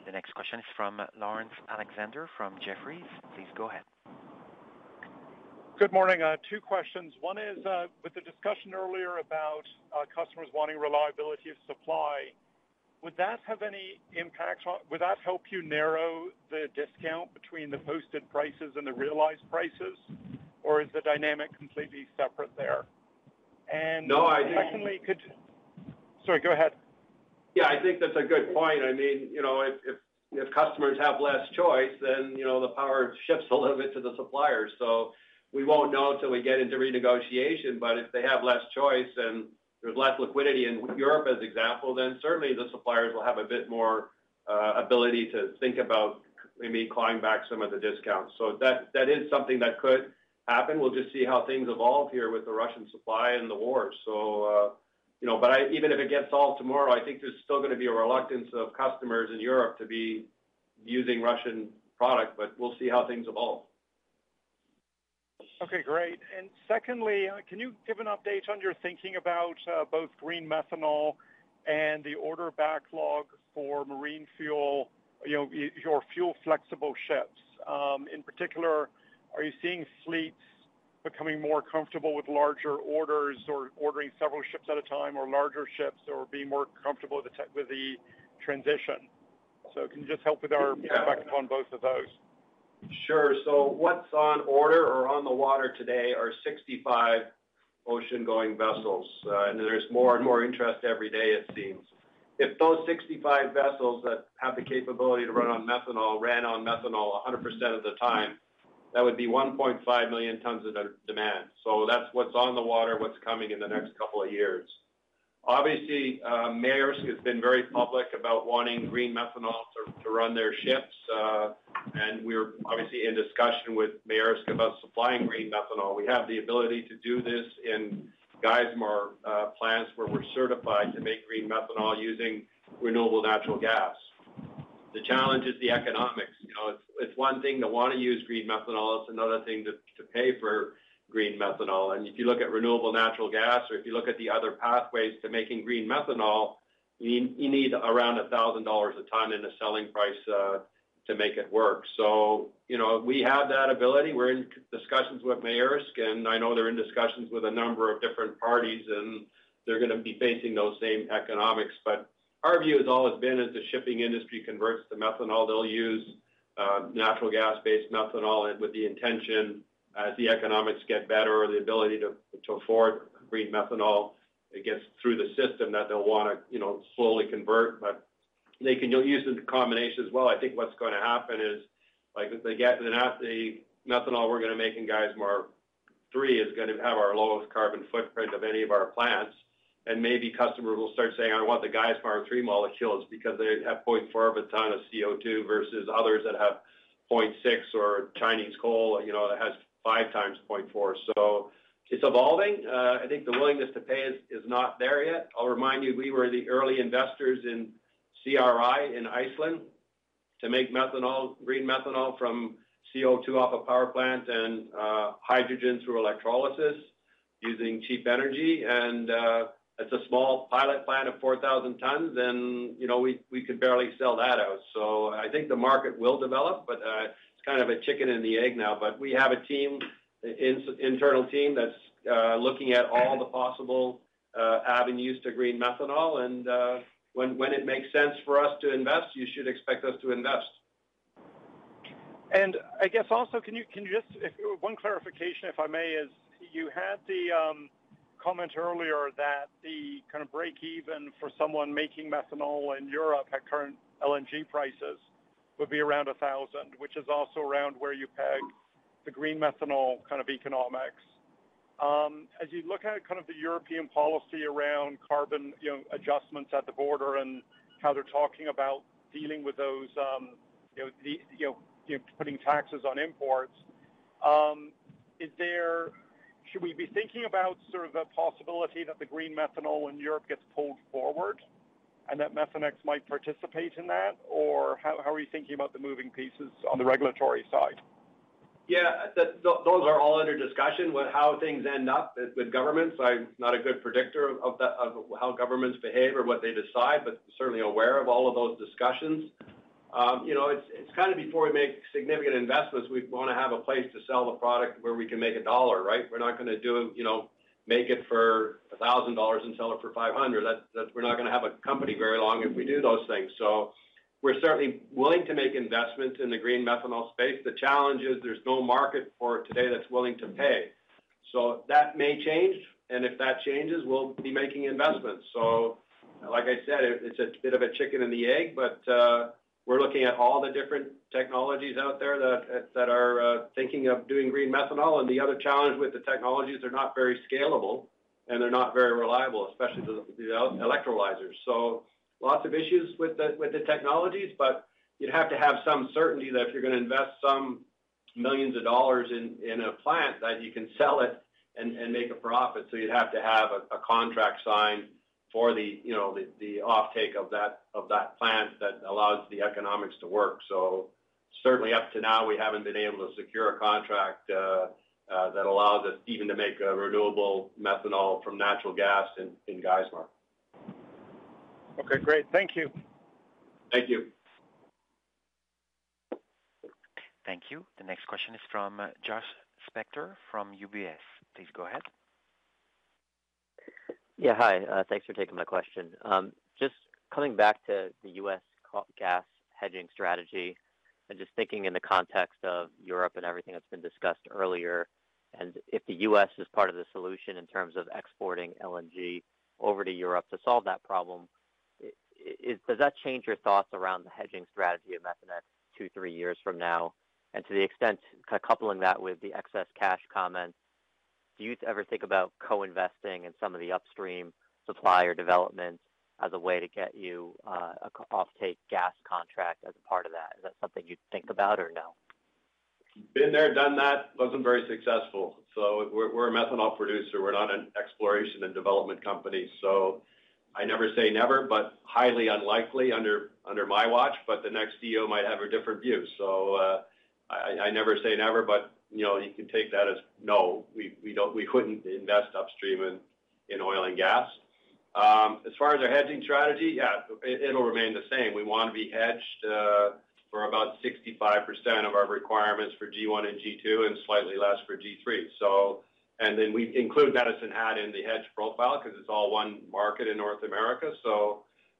The next question is from Laurence Alexander from Jefferies. Please go ahead. Good morning. Two questions. One is, with the discussion earlier about customers wanting reliability of supply, would that help you narrow the discount between the posted prices and the realized prices, or is the dynamic completely separate there? No, I think. Sorry, go ahead. Yeah, I think that's a good point. I mean, you know, if customers have less choice, then, you know, the power shifts a little bit to the suppliers. We won't know until we get into renegotiation. If they have less choice and there's less liquidity in Europe as example, then certainly the suppliers will have a bit more ability to think about maybe clawing back some of the discounts. That is something that could happen. We'll just see how things evolve here with the Russian supply and the war. You know, even if it gets solved tomorrow, I think there's still gonna be a reluctance of customers in Europe to be using Russian product, but we'll see how things evolve. Okay, great. Secondly, can you give an update on your thinking about both green methanol and the order backlog for marine fuel, you know, your fuel flexible ships? In particular, are you seeing fleets becoming more comfortable with larger orders or ordering several ships at a time or larger ships or being more comfortable with the transition? Can you just help with our perspective on both of those? Sure. What's on order or on the water today are 65 ocean-going vessels. There is more and more interest every day, it seems. If those 65 vessels that have the capability to run on methanol ran on methanol 100% of the time, that would be 1.5 million tons of demand. That's what's on the water, what's coming in the next couple of years. Obviously, Maersk has been very public about wanting green methanol to run their ships. We're obviously in discussion with Maersk about supplying green methanol. We have the ability to do this in Geismar plants where we're certified to make green methanol using renewable natural gas. The challenge is the economics. It's one thing to wanna use green methanol, it's another thing to pay for green methanol. If you look at renewable natural gas or if you look at the other pathways to making green methanol, you need around $1,000 a ton in a selling price to make it work. You know, we have that ability. We're in discussions with Maersk, and I know they're in discussions with a number of different parties, and they're gonna be facing those same economics. Our view has always been as the shipping industry converts to methanol, they'll use natural gas based methanol and with the intention as the economics get better or the ability to afford green methanol, it gets through the system that they'll wanna, you know, slowly convert. They can use it in combination as well. I think what's gonna happen is, like, as they get the methanol we're gonna make in Geismar 3 is gonna have our lowest carbon footprint of any of our plants. Maybe customers will start saying, "I want the Geismar 3 molecules," because they have 0.4 of a ton of CO2 versus others that have 0.6 or Chinese coal, you know, that has five times 0.4. It's evolving. I think the willingness to pay is not there yet. I'll remind you, we were the early investors in CRI in Iceland to make methanol, green methanol from CO2 off a power plant and hydrogen through electrolysis using cheap energy. It's a small pilot plant of 4,000 tons, and, you know, we could barely sell that out. I think the market will develop, but it's kind of a chicken and the egg now. We have a team, internal team that's looking at all the possible avenues to green methanol. When it makes sense for us to invest, you should expect us to invest. I guess also, if one clarification, if I may, is you had the comment earlier that the kind of break even for someone making methanol in Europe at current LNG prices would be around $1,000, which is also around where you pegged the green methanol kind of economics. As you look at kind of the European policy around carbon, you know, adjustments at the border and how they're talking about dealing with those, you know, putting taxes on imports, should we be thinking about sort of a possibility that the green methanol in Europe gets pulled forward and that Methanex might participate in that? Or how are you thinking about the moving pieces on the regulatory side? Yeah. Those are all under discussion. Well, how things end up with governments, I'm not a good predictor of how governments behave or what they decide, but certainly aware of all of those discussions. You know, it's kind of before we make significant investments, we wanna have a place to sell the product where we can make a dollar, right? We're not gonna do, you know, make it for $1,000 and sell it for $500. That's. We're not gonna have a company very long if we do those things. We're certainly willing to make investments in the green methanol space. The challenge is there's no market for it today that's willing to pay. That may change, and if that changes, we'll be making investments. Like I said, it's a bit of a chicken and the egg, but we're looking at all the different technologies out there that are thinking of doing green methanol. The other challenge with the technologies, they're not very scalable, and they're not very reliable, especially the electrolyzers. Lots of issues with the technologies, but you'd have to have some certainty that if you're gonna invest some $ millions in a plant, that you can sell it and make a profit. You'd have to have a contract signed for the, you know, the offtake of that plant that allows the economics to work. Certainly up to now, we haven't been able to secure a contract that allows us even to make renewable methanol from natural gas in Geismar. Okay, great. Thank you. Thank you. Thank you. The next question is from Josh Spector from UBS. Please go ahead. Yeah, hi. Thanks for taking my question. Just coming back to the US gas hedging strategy and just thinking in the context of Europe and everything that's been discussed earlier, and if the US is part of the solution in terms of exporting LNG over to Europe to solve that problem, does that change your thoughts around the hedging strategy of Methanex two, three years from now? To the extent, kind of coupling that with the excess cash comment, do you ever think about co-investing in some of the upstream supply or development as a way to get you a offtake gas contract as a part of that? Is that something you'd think about or no? Been there, done that, wasn't very successful. We are a methanol producer. We're not an exploration and development company. I never say never, but highly unlikely under my watch. The next CEO might have a different view. I never say never, but you know, you can take that as no, we couldn't invest upstream in oil and gas. As far as our hedging strategy, yeah, it'll remain the same. We wanna be hedged for about 65% of our requirements for G1 and G2 and slightly less for G3. We include Medicine Hat in the hedge profile 'cause it's all one market in North America.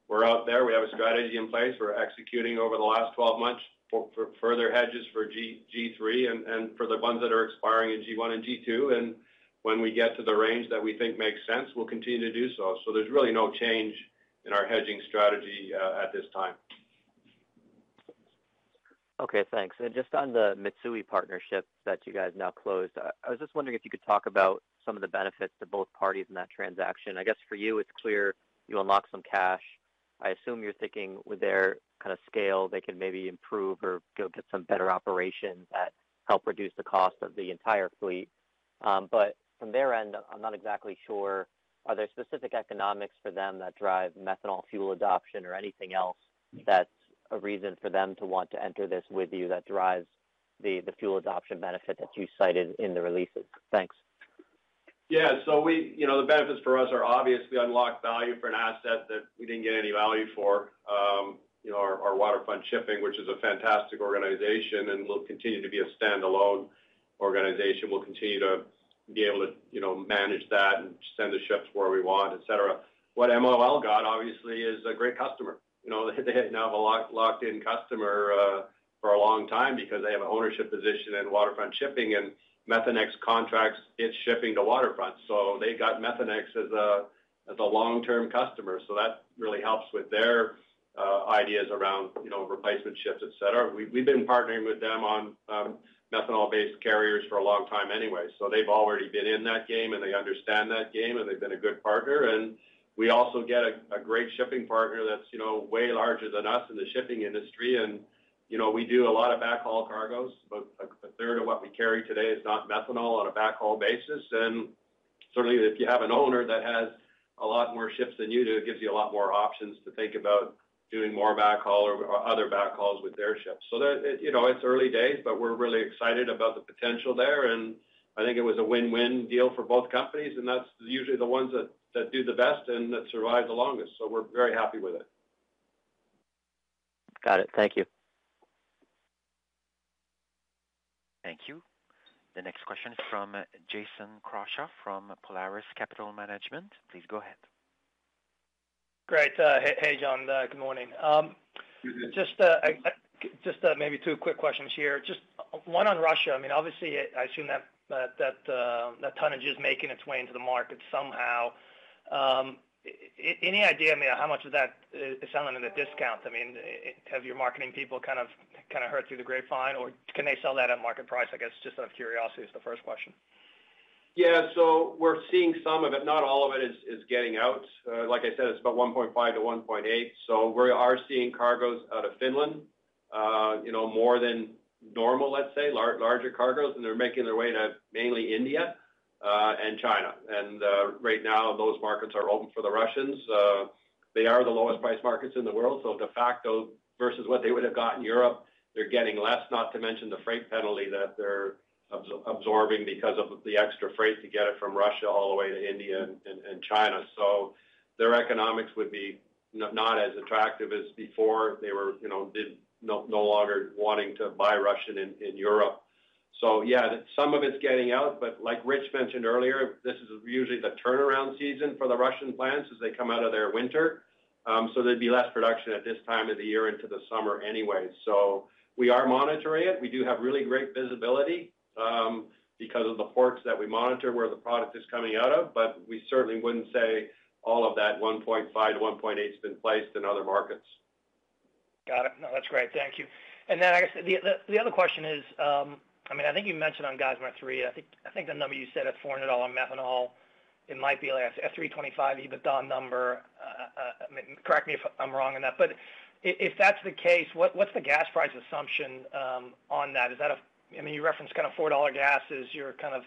We are out there. We have a strategy in place. We're executing over the last 12 months for further hedges for G3 and for the ones that are expiring in G1 and G2. When we get to the range that we think makes sense, we'll continue to do so. There's really no change in our hedging strategy at this time. Okay, thanks. Just on the Mitsui partnership that you guys now closed, I was just wondering if you could talk about some of the benefits to both parties in that transaction. I guess for you it's clear you unlock some cash. I assume you're thinking with their kind of scale, they can maybe improve or go get some better operations that help reduce the cost of the entire fleet. From their end, I'm not exactly sure, are there specific economics for them that drive methanol fuel adoption or anything else that's a reason for them to want to enter this with you that drives the fuel adoption benefit that you cited in the releases? Thanks. Yeah. You know, the benefits for us are obviously unlocked value for an asset that we didn't get any value for. You know, our Waterfront Shipping, which is a fantastic organization and will continue to be a standalone organization, will continue to be able to, you know, manage that and send the ships where we want, et cetera. What MOL got, obviously, is a great customer. You know, they now have a locked-in customer for a long time because they have an ownership position in Waterfront Shipping, and Methanex contracts its shipping to Waterfront Shipping. They got Methanex as a long-term customer, so that really helps with their ideas around, you know, replacement ships, et cetera. We've been partnering with them on methanol-based carriers for a long time anyway, so they've already been in that game and they understand that game, and they've been a good partner. We also get a great shipping partner that's, you know, way larger than us in the shipping industry. You know, we do a lot of backhaul cargos. About a third of what we carry today is not methanol on a backhaul basis. Certainly, if you have an owner that has a lot more ships than you do, it gives you a lot more options to think about doing more backhaul or other backhauls with their ships. That. You know, it's early days, but we're really excited about the potential there, and I think it was a win-win deal for both companies, and that's usually the ones that do the best and that survive the longest. So we're very happy with it. Got it. Thank you. Thank you. The next question is from Jason Crawshaw from Polaris Capital Management. Please go ahead. Great. Hey, John. Good morning. Good. Just maybe two quick questions here. Just one on Russia. I mean, obviously, I assume that tonnage is making its way into the market somehow. Any idea, I mean, how much of that is selling at a discount? I mean, have your marketing people kind of heard through the grapevine, or can they sell that at market price, I guess? Just out of curiosity is the first question. Yeah. We're seeing some of it. Not all of it is getting out. Like I said, it's about 1.5-1.8. We are seeing cargoes out of Finland, more than normal, let's say, larger cargoes, and they're making their way to mainly India and China. Right now, those markets are open for the Russians. They are the lowest priced markets in the world, so de facto, versus what they would have got in Europe, they're getting less, not to mention the freight penalty that they're absorbing because of the extra freight to get it from Russia all the way to India and China. Their economics would be not as attractive as before. They were no longer wanting to buy Russian in Europe. Yeah, some of it's getting out. Like Rich mentioned earlier, this is usually the turnaround season for the Russian plants as they come out of their winter. There'd be less production at this time of the year into the summer anyway. We are monitoring it. We do have really great visibility, because of the ports that we monitor, where the product is coming out of. We certainly wouldn't say all of that 1.5-1.8's been placed in other markets. Got it. No, that's great. Thank you. I guess the other question is, I mean, I think you mentioned on Geismar 3, I think the number you said is $400 on methanol. It might be like a $325 EBITDA number. I mean, correct me if I'm wrong on that. If that's the case, what's the gas price assumption on that? Is that I mean, you referenced kind of $4 gas as your kind of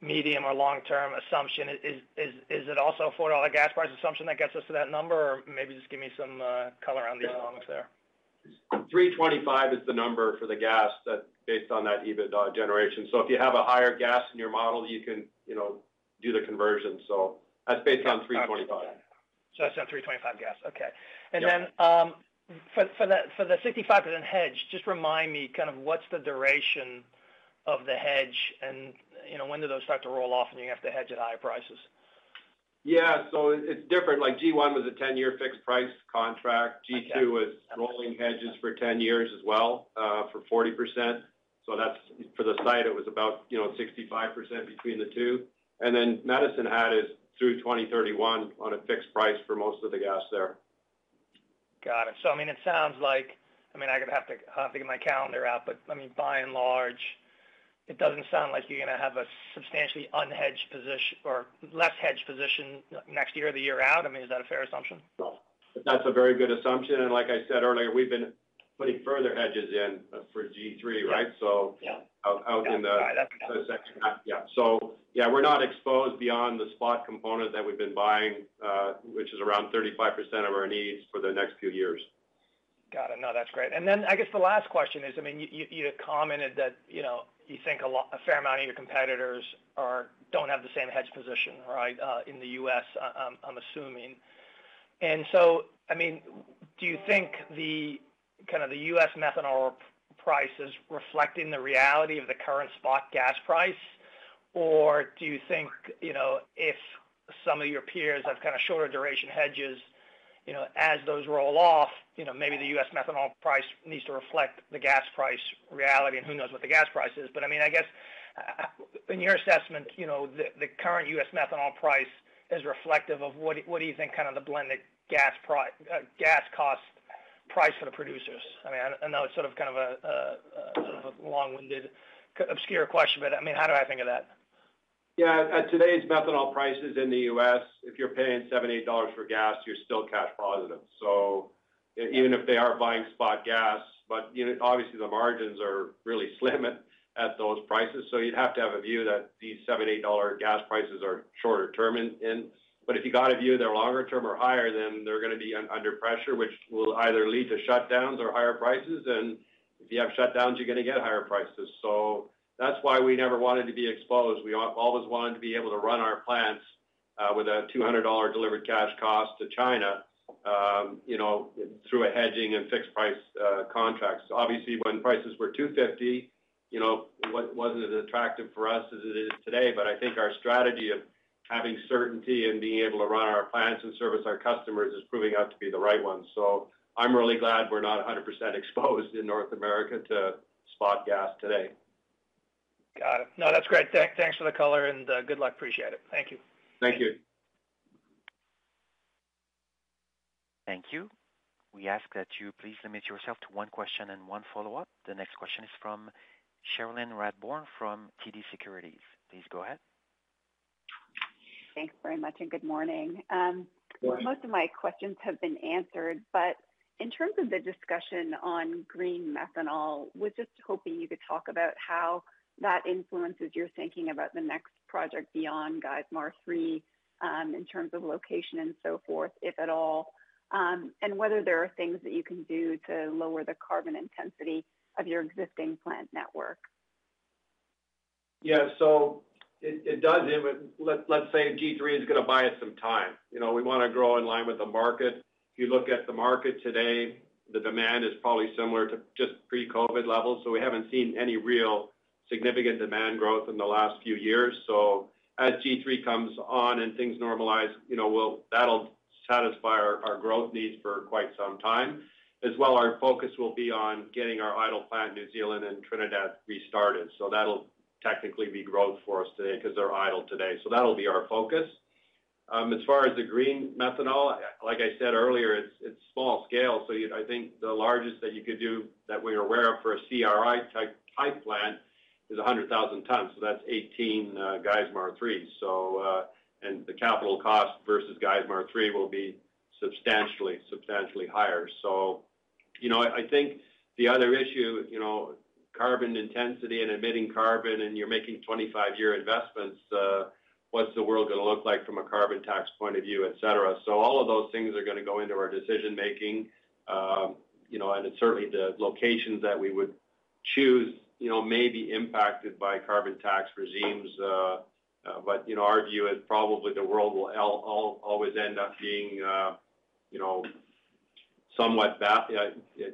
medium or long-term assumption. Is it also a $4 gas price assumption that gets us to that number? Or maybe just give me some color on the economics there. $3.25 is the number for the gas based on that EBITDA generation. If you have a higher gas in your model, you can, you know, do the conversion. That's based on $3.25. It's on $3.25 gas. Okay. Yeah. For the 65% hedge, just remind me kind of what's the duration of the hedge and, you know, when do those start to roll off and you have to hedge at higher prices? It's different. Like G1 was a 10-year fixed price contract. G2 was rolling hedges for 10 years as well, for 40%. That's for the site, it was about 65% between the two. Then Madicine Hat it through 2031 on a fixed price for most of the gas there. Got it. I mean, it sounds like, I mean, I'm gonna have to get my calendar out, but I mean, by and large, it doesn't sound like you're gonna have a substantially unhedged or less hedged position next year or the year out. I mean, is that a fair assumption? No. That's a very good assumption. Like I said earlier, we've been putting further hedges in for G3, right? Yeah. Out in the Got it. The second half. Yeah. Yeah, we're not exposed beyond the spot component that we've been buying, which is around 35% of our needs for the next few years. Got it. No, that's great. I guess the last question is, I mean, you had commented that, you know, you think a fair amount of your competitors don't have the same hedge position, right, in the US, I'm assuming. I mean, do you think the kind of the US methanol price is reflecting the reality of the current spot gas price? Or do you think, you know, if some of your peers have kind of shorter duration hedges, you know, as those roll off, you know, maybe the US methanol price needs to reflect the gas price reality, and who knows what the gas price is? I mean, I guess in your assessment, the current U.S. methanol price is reflective of what? What do you think kind of the blended gas cost price for the producers? I mean, I know it's a long-winded obscure question, but I mean, how do I think of that? Yeah. At today's methanol prices in the US, if you're paying $7-$8 for gas, you're still cash positive. Even if they are buying spot gas, but, you know, obviously the margins are really slim at those prices. You'd have to have a view that these $7-$8 gas prices are shorter term. If you got a view they're longer term or higher, then they're gonna be under pressure, which will either lead to shutdowns or higher prices. If you have shutdowns, you're gonna get higher prices. That's why we never wanted to be exposed. We always wanted to be able to run our plants with a $200 delivered cash cost to China, you know, through a hedging and fixed price contracts. Obviously, when prices were $250, you know, wasn't as attractive for us as it is today. I think our strategy of having certainty and being able to run our plants and service our customers is proving out to be the right one. I'm really glad we're not 100% exposed in North America to spot gas today. Got it. No, that's great. Thanks for the color and good luck. Appreciate it. Thank you. Thank you. Thank you. We ask that you please limit yourself to one question and one follow-up. The next question is from Cherilyn Radbourne from TD Securities. Please go ahead. Thanks very much, and good morning. Good morning. Most of my questions have been answered, but in terms of the discussion on green methanol, was just hoping you could talk about how that influences your thinking about the next project beyond Geismar Three, in terms of location and so forth, if at all, and whether there are things that you can do to lower the carbon intensity of your existing plant network. Let's say G3 is gonna buy us some time. You know, we wanna grow in line with the market. If you look at the market today, the demand is probably similar to just pre-COVID levels, so we haven't seen any real significant demand growth in the last few years. As G3 comes on and things normalize, you know, that'll satisfy our growth needs for quite some time. As well, our focus will be on getting our idle plant in New Zealand and Trinidad restarted. That'll technically be growth for us today 'cause they're idle today. That'll be our focus. As far as the green methanol, like I said earlier, it's small scale. I think the largest that you could do that we're aware of for a CRI type plant is 100,000 tons. That's 18 Geismar threes. The capital cost versus Geismar Three will be substantially higher. You know, I think the other issue, you know, carbon intensity and emitting carbon, and you're making 25-year investments, what's the world gonna look like from a carbon tax point of view, et cetera. All of those things are gonna go into our decision-making, you know, and certainly the locations that we would choose, you know, may be impacted by carbon tax regimes. You know, our view is probably the world will always end up being, you know, somewhat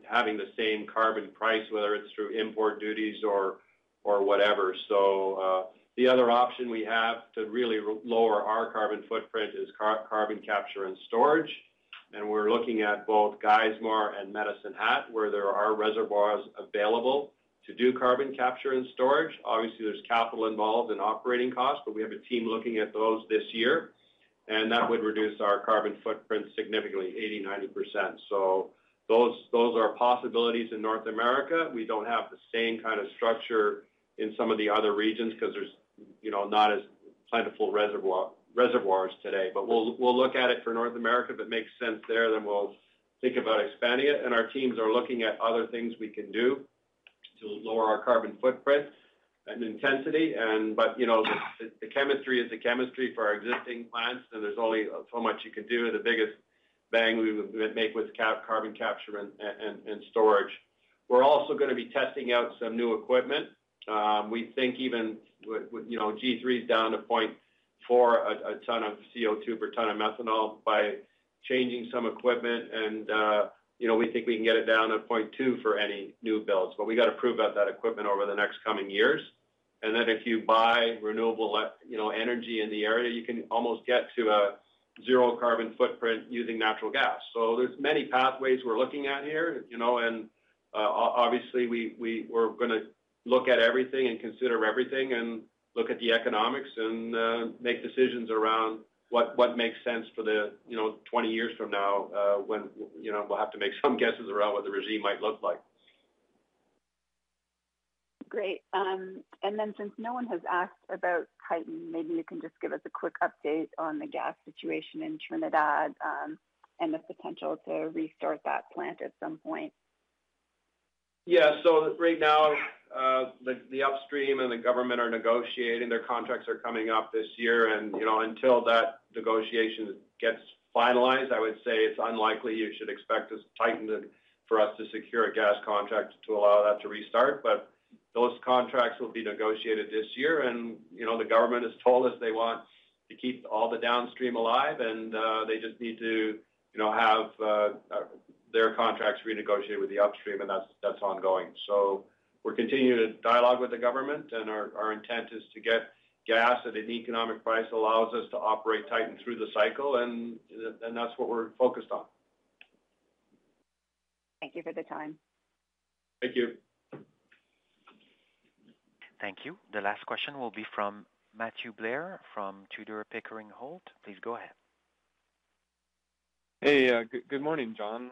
having the same carbon price, whether it's through import duties or whatever. The other option we have to really lower our carbon footprint is carbon capture and storage. We're looking at both Geismar and Medicine Hat, where there are reservoirs available to do carbon capture and storage. Obviously, there's capital involved and operating costs, but we have a team looking at those this year, and that would reduce our carbon footprint significantly, 80%-90%. Those are possibilities in North America. We don't have the same kind of structure in some of the other regions 'cause there's, you know, not as plentiful reservoirs today. We'll look at it for North America. If it makes sense there, then we'll think about expanding it. Our teams are looking at other things we can do to lower our carbon footprint and intensity. But, you know, the chemistry is the chemistry for our existing plants, and there's only so much you can do. The biggest bang we would make was carbon capture and storage. We're also gonna be testing out some new equipment. We think even with, you know, G3 is down to 0.4 a ton of CO2 per ton of methanol by changing some equipment and, you know, we think we can get it down to 0.2 for any new builds. We got to prove out that equipment over the next coming years. Then if you buy renewable energy in the area, you can almost get to a zero carbon footprint using natural gas. There's many pathways we're looking at here, you know, and obviously, we're gonna look at everything and consider everything and look at the economics and make decisions around what makes sense for the, you know, twenty years from now, when, you know, we'll have to make some guesses around what the regime might look like. Great. Since no one has asked about Titan, maybe you can just give us a quick update on the gas situation in Trinidad, and the potential to restart that plant at some point. Yeah. Right now, the upstream and the government are negotiating. Their contracts are coming up this year. You know, until that negotiation gets finalized, I would say it's unlikely you should expect us to secure a gas contract to allow that to restart. Those contracts will be negotiated this year. You know, the government has told us they want to keep all the downstream alive, and they just need to, you know, have their contracts renegotiated with the upstream, and that's ongoing. We're continuing to dialogue with the government, and our intent is to get gas at an economic price that allows us to operate Titan through the cycle, and that's what we're focused on. Thank you for the time. Thank you. Thank you. The last question will be from Matthew Blair from Tudor, Pickering Holt. Please go ahead. Hey, good morning, John.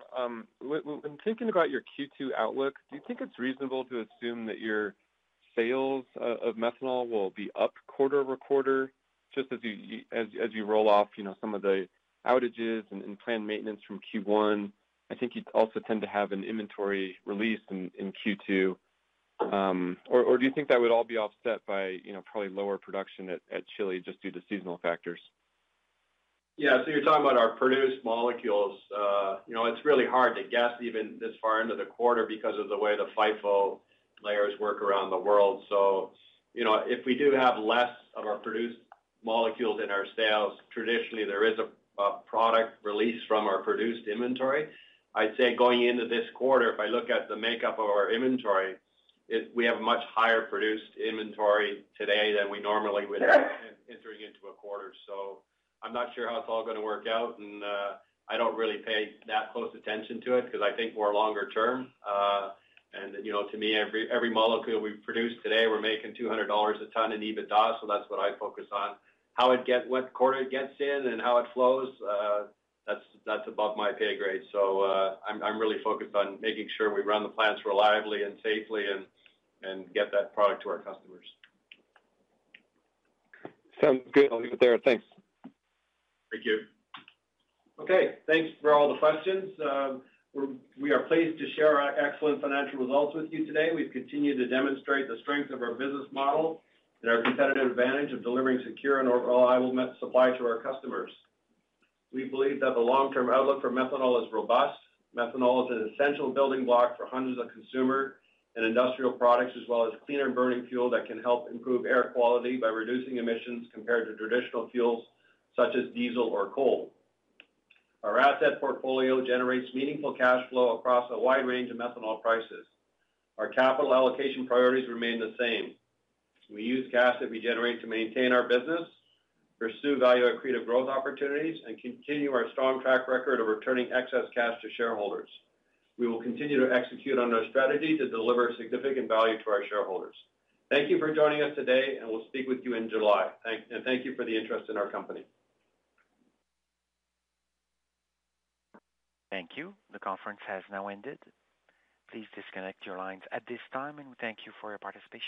When thinking about your Q2 outlook, do you think it's reasonable to assume that your sales of methanol will be up quarter-over-quarter, just as you roll off, you know, some of the outages and planned maintenance from Q1? I think you also tend to have an inventory release in Q2. Or do you think that would all be offset by, you know, probably lower production at Chile just due to seasonal factors? Yeah. You're talking about our produced molecules. You know, it's really hard to guess even this far into the quarter because of the way the FIFO layers work around the world. You know, if we do have less of our produced molecules in our sales, traditionally there is a product release from our produced inventory. I'd say going into this quarter, if I look at the makeup of our inventory, we have much higher produced inventory today than we normally would entering into a quarter. I'm not sure how it's all gonna work out, and I don't really pay that close attention to it because I think we're longer term. You know, to me, every molecule we produce today, we're making $200 a ton in EBITDA, so that's what I focus on. What quarter it gets in and how it flows, that's above my pay grade. I'm really focused on making sure we run the plants reliably and safely and get that product to our customers. Sounds good. I'll leave it there. Thanks. Thank you. Okay. Thanks for all the questions. We are pleased to share our excellent financial results with you today. We've continued to demonstrate the strength of our business model and our competitive advantage of delivering secure and reliable methanol supply to our customers. We believe that the long-term outlook for methanol is robust. Methanol is an essential building block for hundreds of consumer and industrial products, as well as cleaner burning fuel that can help improve air quality by reducing emissions compared to traditional fuels such as diesel or coal. Our asset portfolio generates meaningful cash flow across a wide range of methanol prices. Our capital allocation priorities remain the same. We use cash that we generate to maintain our business, pursue value-accretive growth opportunities, and continue our strong track record of returning excess cash to shareholders. We will continue to execute on our strategy to deliver significant value to our shareholders. Thank you for joining us today, and we'll speak with you in July. Thank you for the interest in our company. Thank you. The conference has now ended. Please disconnect your lines at this time, and thank you for your participation.